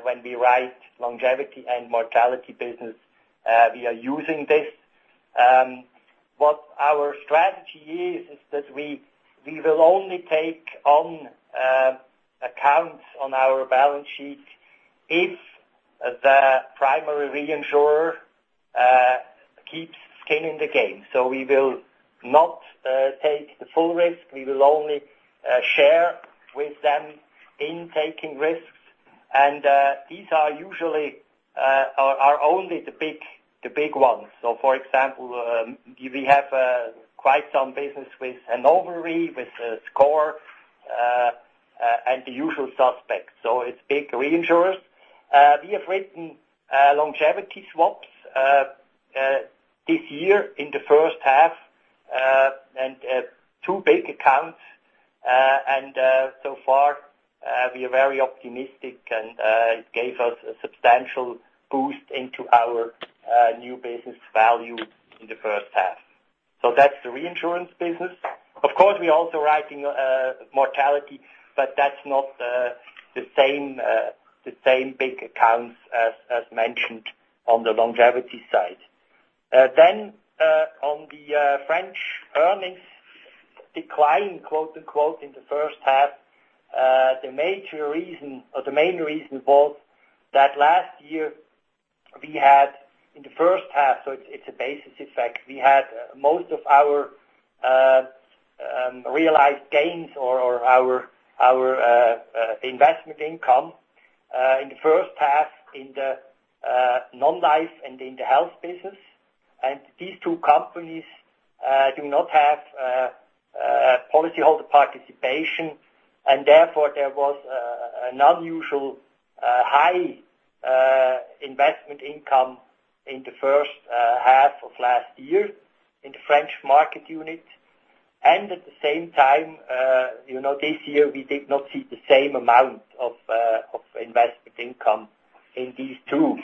when we write longevity and mortality business, we are using this. What our strategy is that we will only take on accounts on our balance sheet if the primary reinsurer keeps skin in the game. We will not take the full risk. We will only share with them in taking risks. These are only the big ones. For example, we have quite some business with Hannover Re, with SCOR, and the usual suspects. It's big reinsurers. We have written longevity swaps this year in the first half, two big accounts. So far, we are very optimistic, and it gave us a substantial boost into our new business value in the first half. That's the reinsurance business. Of course, we're also writing mortality, but that's not the same big accounts as mentioned on the longevity side. On the French earnings decline, quote unquote, in the first half, the main reason was that last year we had in the first half, so it's a basis effect, we had most of our realized gains or our investment income in the first half in the non-life and in the health business. These two companies do not have policyholder participation and therefore there was an unusual high investment income in the first half of last year in the French market unit. At the same time, this year we did not see the same amount of investment income in these two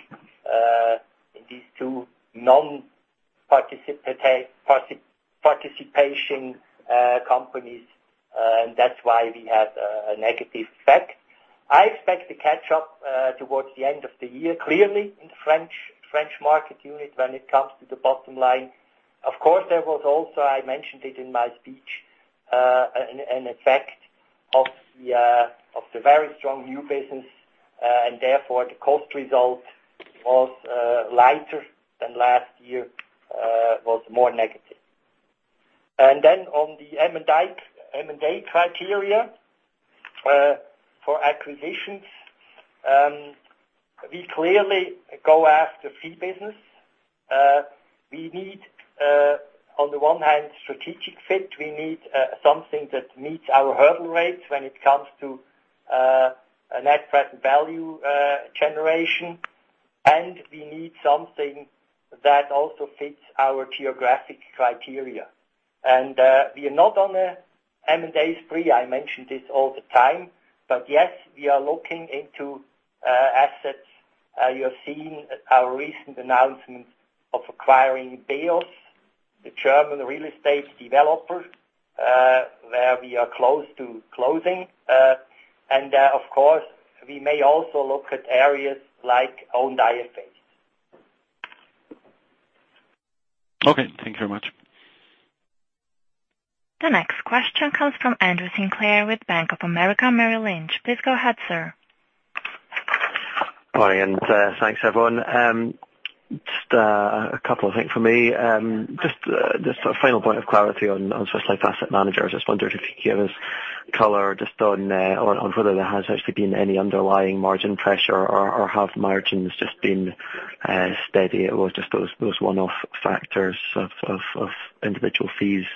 non-participation companies. That's why we had a negative effect. I expect to catch up towards the end of the year, clearly in the French market unit when it comes to the bottom line. Of course, there was also, I mentioned it in my speech, an effect of the very strong new business, and therefore the cost result was lighter than last year, was more negative. On the M&A criteria for acquisitions, we clearly go after fee business. We need, on the one hand, strategic fit. We need something that meets our hurdle rates when it comes to net present value generation. We need something that also fits our geographic criteria. We are not on a M&A spree, I mention this all the time. Yes, we are looking into assets. You have seen our recent announcement of acquiring BEOS, the German real estate developer, where we are close to closing. Of course, we may also look at areas like owned IFAs. Okay, thank you very much. The next question comes from Andrew Sinclair with Bank of America Merrill Lynch. Please go ahead, sir. Morning. Thanks everyone. A couple of things from me. A final point of clarity on Swiss Life Asset Managers. I just wondered if you could give us color on whether there has actually been any underlying margin pressure or have margins been steady. It was just those one-off factors of individual fees.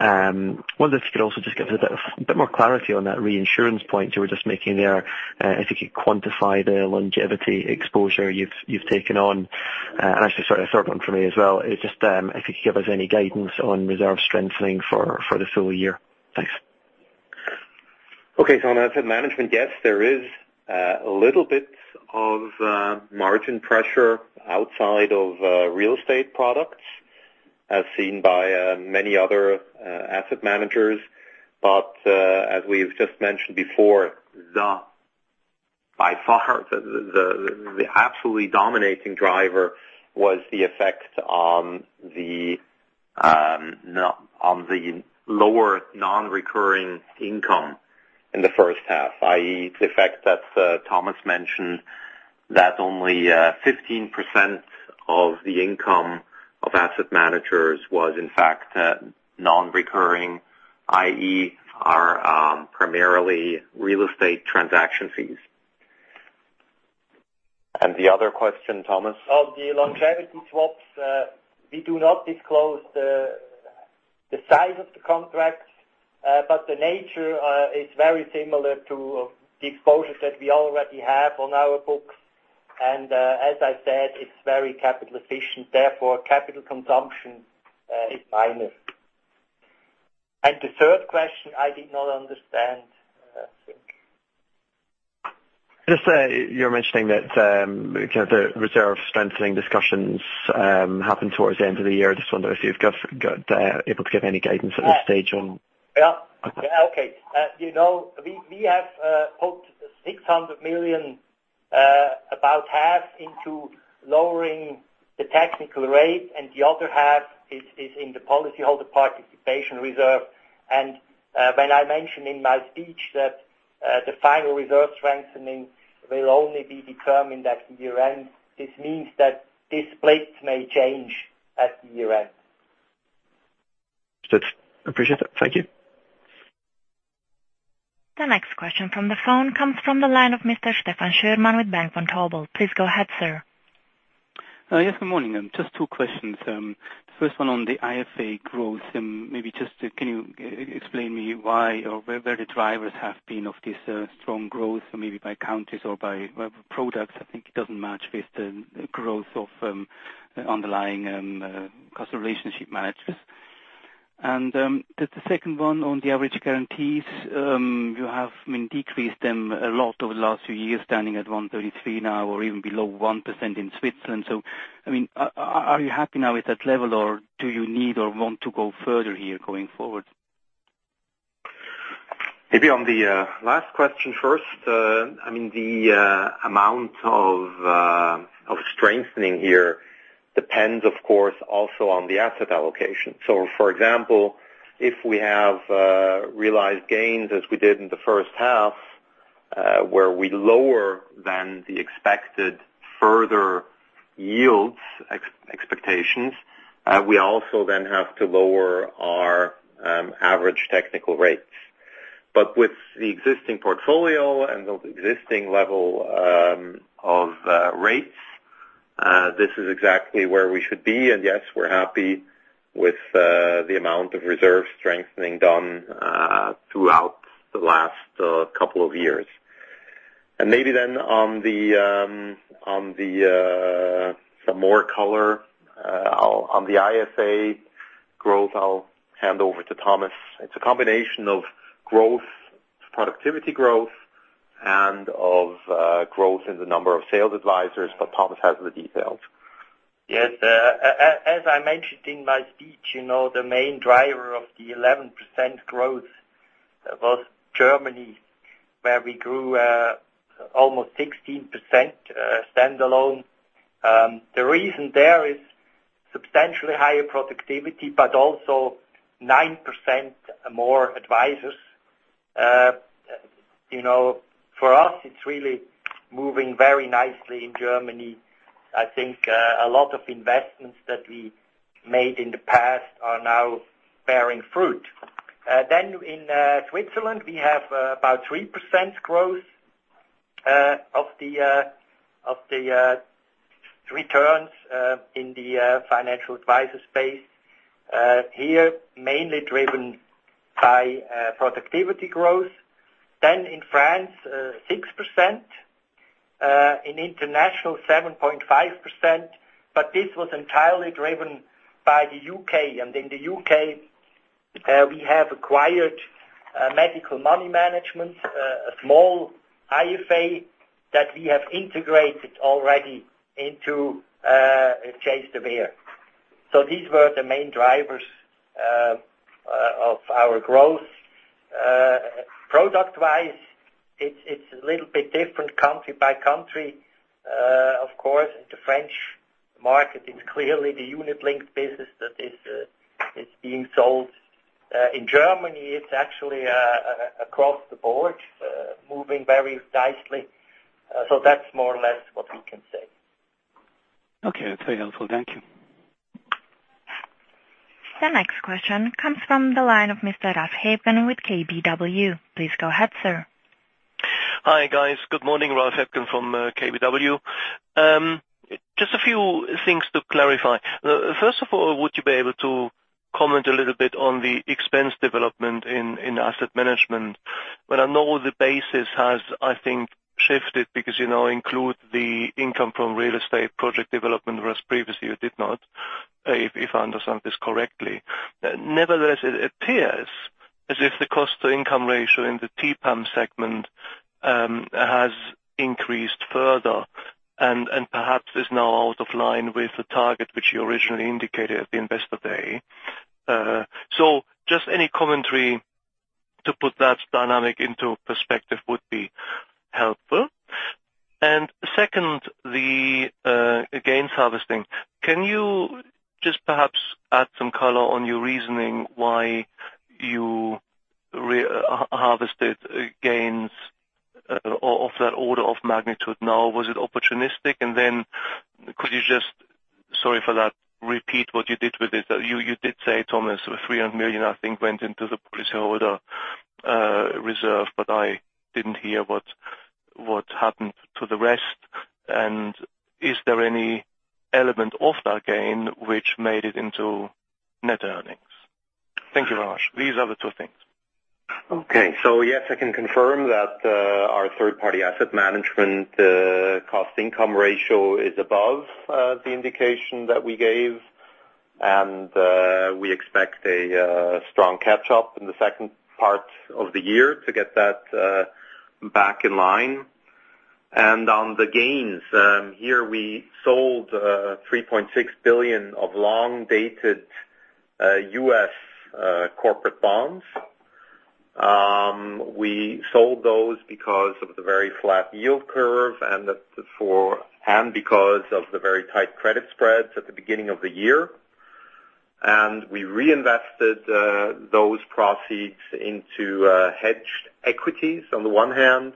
I wondered if you could also give us a bit more clarity on that reinsurance point you were making there. If you could quantify the longevity exposure you've taken on. Actually, sorry, a third one from me as well, if you could give us any guidance on reserve strengthening for the full year. Thanks. On asset management, yes, there is a little bit of margin pressure outside of real estate products, as seen by many other asset managers. As we've mentioned before, by far, the absolutely dominating driver was the effect on the lower non-recurring income in the first half, i.e., the effect that Thomas mentioned that only 15% of the income of asset managers was in fact non-recurring, i.e., our primarily real estate transaction fees. The other question, Thomas? Of the longevity swaps, we do not disclose the size of the contracts, but the nature is very similar to the exposures that we already have on our books. As I said, it's very capital efficient, therefore, capital consumption is minor. The third question, I did not understand, I think. You were mentioning that the reserve strengthening discussions happen towards the end of the year. I just wonder if you're able to give any guidance at this stage on- We have put 600 million, about half into lowering the technical rate, and the other half is in the policyholder participation reserve. When I mentioned in my speech that the final reserve strengthening will only be determined at the year-end, this means that this split may change at the year-end. That's appreciate it. Thank you. The next question from the phone comes from the line of Mr. Stefan Schürmann with Bank Vontobel. Please go ahead, sir. Yes, good morning. Just two questions. First one on the IFA growth, maybe just can you explain me why or where the drivers have been of this strong growth, maybe by counties or by products? I think it doesn't match with the growth of underlying customer relationship managers. The second one on the average guarantees. You have decreased them a lot over the last few years, standing at 133 now or even below 1% in Switzerland. Are you happy now with that level, or do you need or want to go further here going forward? Maybe on the last question first. The amount of strengthening here depends, of course, also on the asset allocation. For example, if we have realized gains as we did in the first half Where we lower than the expected further yields expectations, we also then have to lower our average technical rates. With the existing portfolio and the existing level of rates, this is exactly where we should be. Yes, we're happy with the amount of reserve strengthening done throughout the last couple of years. Maybe then on some more color on the IFA growth, I'll hand over to Thomas. It's a combination of growth, productivity growth, and of growth in the number of sales advisors, Thomas has the details. Yes. As I mentioned in my speech, the main driver of the 11% growth was Germany, where we grew almost 16% standalone. The reason there is substantially higher productivity, also 9% more advisors. For us, it's really moving very nicely in Germany. I think a lot of investments that we made in the past are now bearing fruit. In Switzerland, we have about 3% growth of the returns in the financial advisor space. Here, mainly driven by productivity growth. In France, 6%. In international, 7.5%, this was entirely driven by the U.K. In the U.K., we have acquired Medical Money Management, a small IFA that we have integrated already into Chase de Vere. These were the main drivers of our growth. Product-wise, it's a little bit different country by country. Of course, the French market is clearly the unit-linked business that is being sold. In Germany, it's actually across the board, moving very nicely. That's more or less what we can say. Okay. That's very helpful. Thank you. The next question comes from the line of Mr. Ralf Hebgen with KBW. Please go ahead, sir. Hi, guys. Good morning, Ralf Hebgen from KBW. Just a few things to clarify. First of all, would you be able to comment a little bit on the expense development in asset management? I know the basis has, I think, shifted because include the income from real estate project development whereas previously you did not, if I understand this correctly. Nevertheless, it appears as if the cost to income ratio in the TPAM segment has increased further and perhaps is now out of line with the target which you originally indicated at the Investor Day. Just any commentary to put that dynamic into perspective would be helpful. Second, the gains harvesting. Can you just perhaps add some color on your reasoning why you harvested gains of that order of magnitude now? Was it opportunistic? Could you just, sorry for that, repeat what you did with it? You did say, Thomas, 300 million, I think, went into the placeholder reserve, I didn't hear what happened to the rest. Is there any element of that gain which made it into net earnings? Thank you very much. These are the two things. Yes, I can confirm that our third-party asset management cost income ratio is above the indication that we gave, we expect a strong catch-up in the second part of the year to get that back in line. On the gains, here we sold $3.6 billion of long-dated U.S. corporate bonds. We sold those because of the very flat yield curve and because of the very tight credit spreads at the beginning of the year. We reinvested those proceeds into hedged equities on the one hand,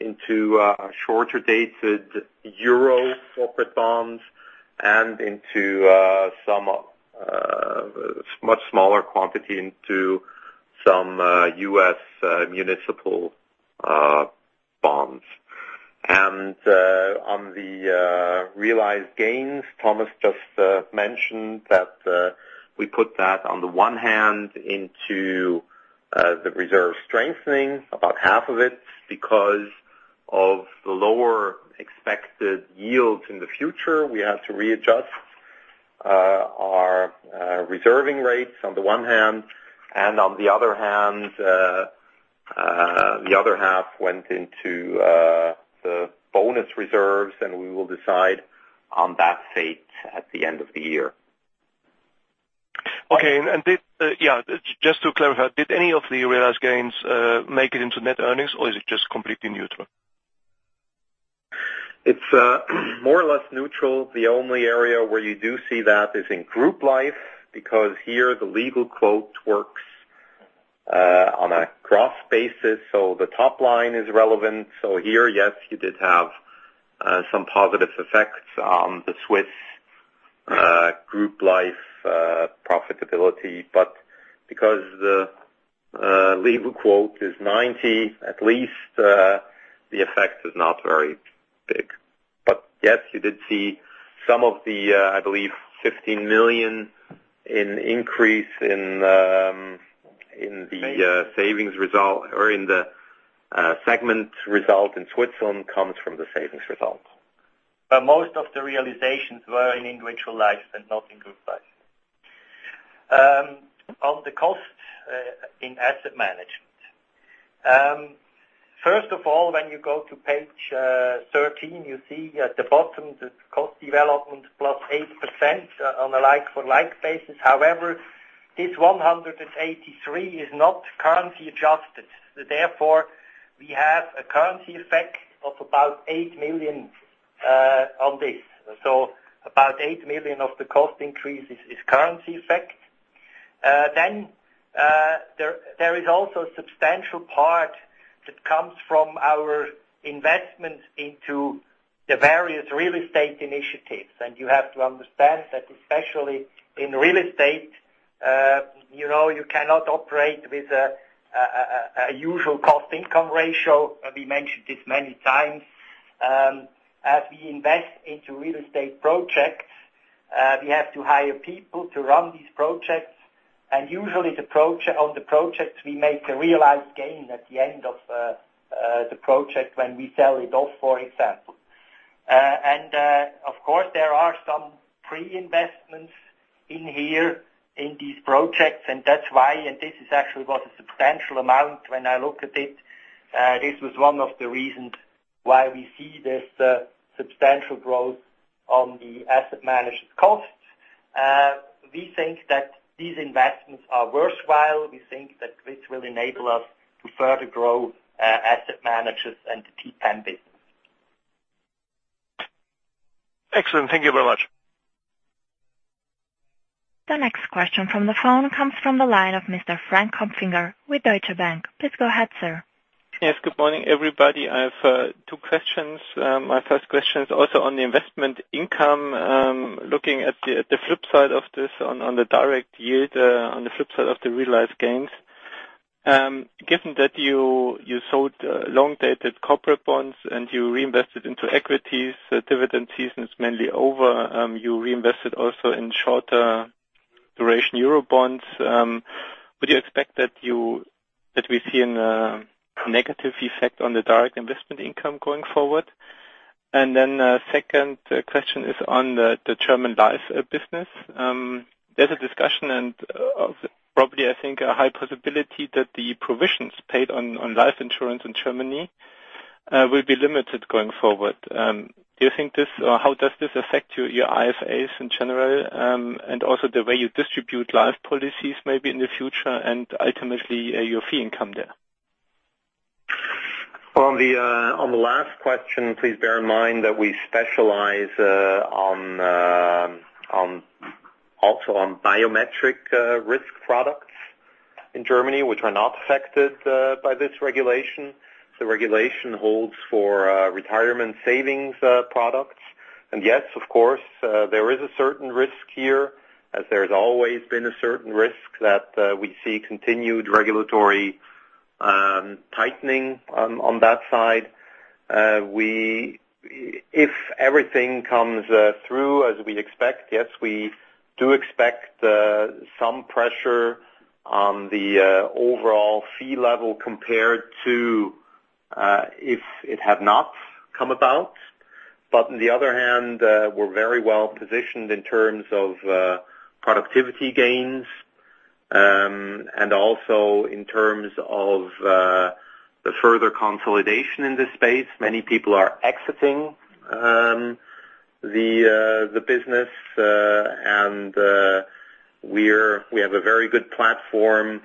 into shorter dated EUR corporate bonds, and into a much smaller quantity into some U.S. municipal bonds. On the realized gains, Thomas just mentioned that we put that on the one hand into the reserve strengthening, about half of it, because of the lower expected yields in the future. We had to readjust our reserving rates on the one hand. On the other hand, the other half went into the bonus reserves. We will decide on that fate at the end of the year. Okay. Just to clarify, did any of the realized gains make it into net earnings, or is it just completely neutral? It's more or less neutral. The only area where you do see that is in group life, because here the legal quota works on a cross basis. The top line is relevant. Here, yes, you did have some positive effects on the Swiss group life profitability. Because the legal quota is 90, at least, the effect is not very big. Yes, you did see some of the, I believe 15 million in increase in the savings result or in the segment result in Switzerland comes from the savings result. Most of the realizations were in individual lives and not in group lives. On the cost in asset management. First of all, when you go to page 13, you see at the bottom, the cost development plus 8% on a like-for-like basis. However, this 183 is not currency adjusted. Therefore, we have a currency effect of about 8 million on this. About 8 million of the cost increase is currency effect. There is also a substantial part that comes from our investments into the various real estate initiatives. You have to understand that, especially in real estate, you cannot operate with a usual cost income ratio. We mentioned this many times. As we invest into real estate projects, we have to hire people to run these projects. Usually on the projects, we make a realized gain at the end of the project when we sell it off, for example. Of course, there are some pre-investments in here in these projects, and that's why, and this is actually was a substantial amount when I look at it. This was one of the reasons why we see this substantial growth on the asset management cost. We think that these investments are worthwhile. We think that this will enable us to further grow Swiss Life Asset Managers and the TPAM business. Excellent. Thank you very much. The next question from the phone comes from the line of Mr. Frank Hopfinger with Deutsche Bank. Please go ahead, sir. Yes. Good morning, everybody. I have two questions. My first question is also on the investment income. Looking at the flip side of this on the direct yield, on the flip side of the realized gains. Given that you sold long-dated corporate bonds and you reinvested into equities, the dividend season is mainly over. You reinvested also in shorter duration EUR bonds. Would you expect that we see a negative effect on the direct investment income going forward? Then second question is on the German life business. There's a discussion and of probably, I think, a high possibility that the provisions paid on life insurance in Germany will be limited going forward. How does this affect your IFAs in general? Also the way you distribute life policies maybe in the future and ultimately, your fee income there? On the last question, please bear in mind that we specialize also on biometric risk products in Germany, which are not affected by this regulation. The regulation holds for retirement savings products. Yes, of course, there is a certain risk here, as there's always been a certain risk that we see continued regulatory tightening on that side. If everything comes through as we expect, yes, we do expect some pressure on the overall fee level compared to, if it had not come about. On the other hand, we're very well-positioned in terms of productivity gains, and also in terms of the further consolidation in this space. Many people are exiting the business. We have a very good platform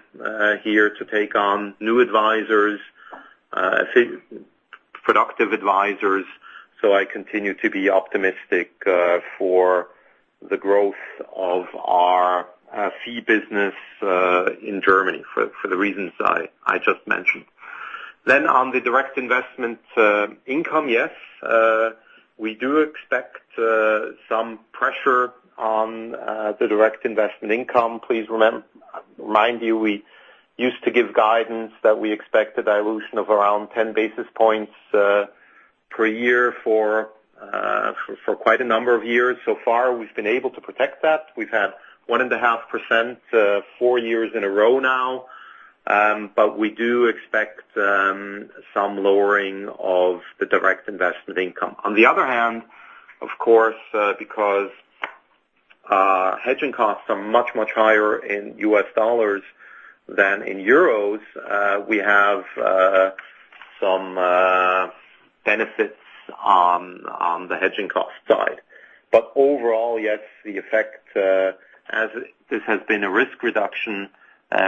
here to take on new advisors, productive advisors. I continue to be optimistic for the growth of our fee business in Germany for the reasons I just mentioned. On the direct investment income, yes. We do expect some pressure on the direct investment income. Please remind you, we used to give guidance that we expect a dilution of around 10 basis points per year for quite a number of years. So far, we've been able to protect that. We've had one and a half percent, four years in a row now. We do expect some lowering of the direct investment income. On the other hand, of course, because hedging costs are much, much higher in US dollars than in euros, we have some benefits on the hedging cost. Overall, yes, the effect, as this has been a risk reduction,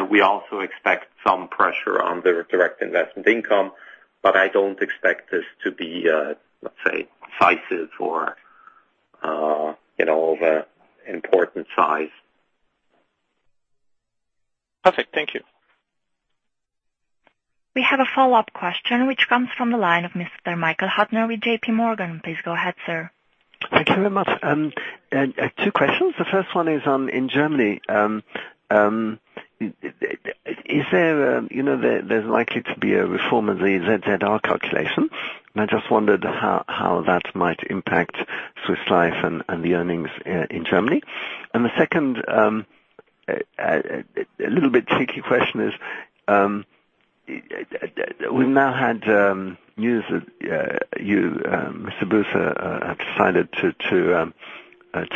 we also expect some pressure on the direct investment income. I don't expect this to be, let's say, sizable or of an important size. Perfect. Thank you. We have a follow-up question, which comes from the line of Mr. Michael Huttner with JPMorgan. Please go ahead, sir. Thank you very much. Two questions. The first one is, in Germany, there's likely to be a reform of the ZZR calculation. I just wondered how that might impact Swiss Life and the earnings in Germany. The second, a little bit cheeky question is, we've now had news that you, Mr. Buess, have decided to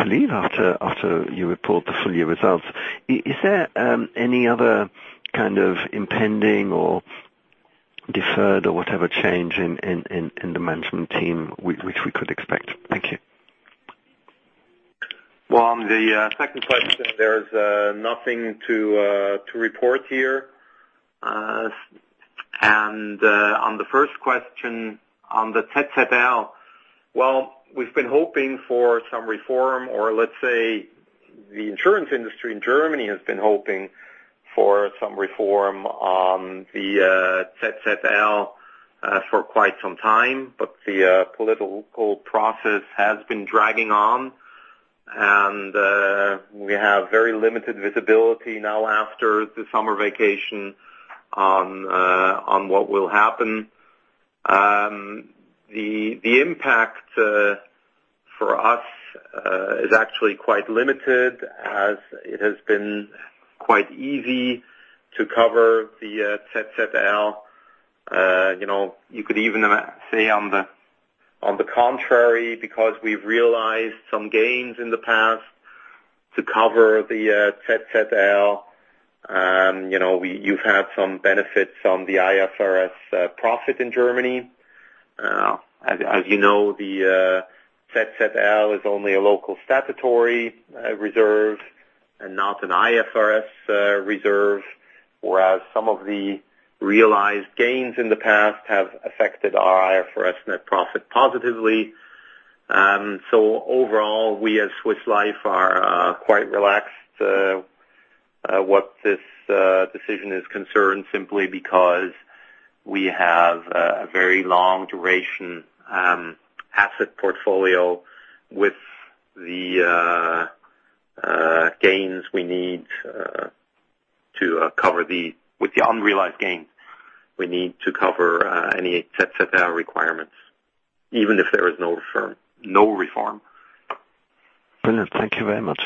leave after you report the full year results. Is there any other kind of impending or deferred or whatever change in the management team which we could expect? Thank you. Well, on the second question, there's nothing to report here. On the first question on the ZZR, well, we've been hoping for some reform, or let's say the insurance industry in Germany has been hoping for some reform on the ZZR for quite some time. The political process has been dragging on. We have very limited visibility now after the summer vacation on what will happen. The impact for us is actually quite limited as it has been quite easy to cover the ZZR. You could even say on the contrary, because we've realized some gains in the past to cover the ZZR. You've had some benefits on the IFRS profit in Germany. As you know, the ZZR is only a local statutory reserve and not an IFRS reserve, whereas some of the realized gains in the past have affected our IFRS net profit positively. Overall, we at Swiss Life are quite relaxed what this decision is concerned simply because we have a very long duration asset portfolio with the unrealized gains we need to cover any ZZR requirements, even if there is no reform. Brilliant. Thank you very much.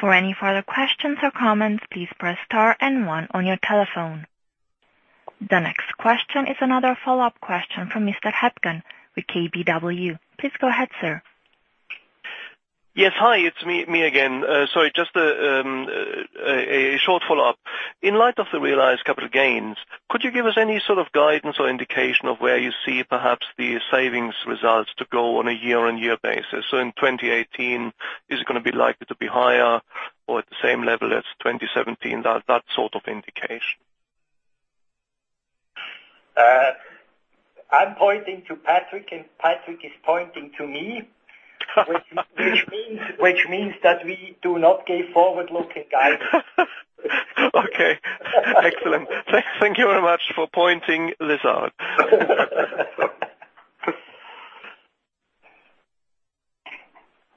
For any further questions or comments, please press star one on your telephone. The next question is another follow-up question from Mr. Hebgen with KBW. Please go ahead, sir. Yes. Hi, it's me again. Sorry, just a short follow-up. In light of the realized capital gains, could you give us any sort of guidance or indication of where you see perhaps the savings results to go on a year-over-year basis? In 2018, is it going to be likely to be higher or at the same level as 2017? That sort of indication. I'm pointing to Patrick is pointing to me. Which means that we do not give forward-looking guidance. Okay. Excellent. Thank you very much for pointing this out.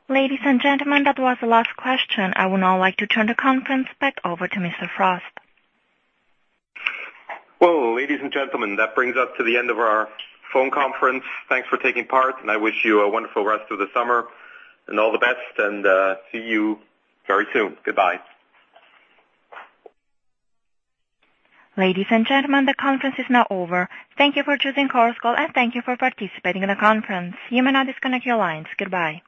Ladies and gentlemen, that was the last question. I would now like to turn the conference back over to Mr. Frost. Well, ladies and gentlemen, that brings us to the end of our phone conference. Thanks for taking part, and I wish you a wonderful rest of the summer, and all the best, and see you very soon. Goodbye. Ladies and gentlemen, the conference is now over. Thank you for choosing Chorus Call, and thank you for participating in the conference. You may now disconnect your lines. Goodbye.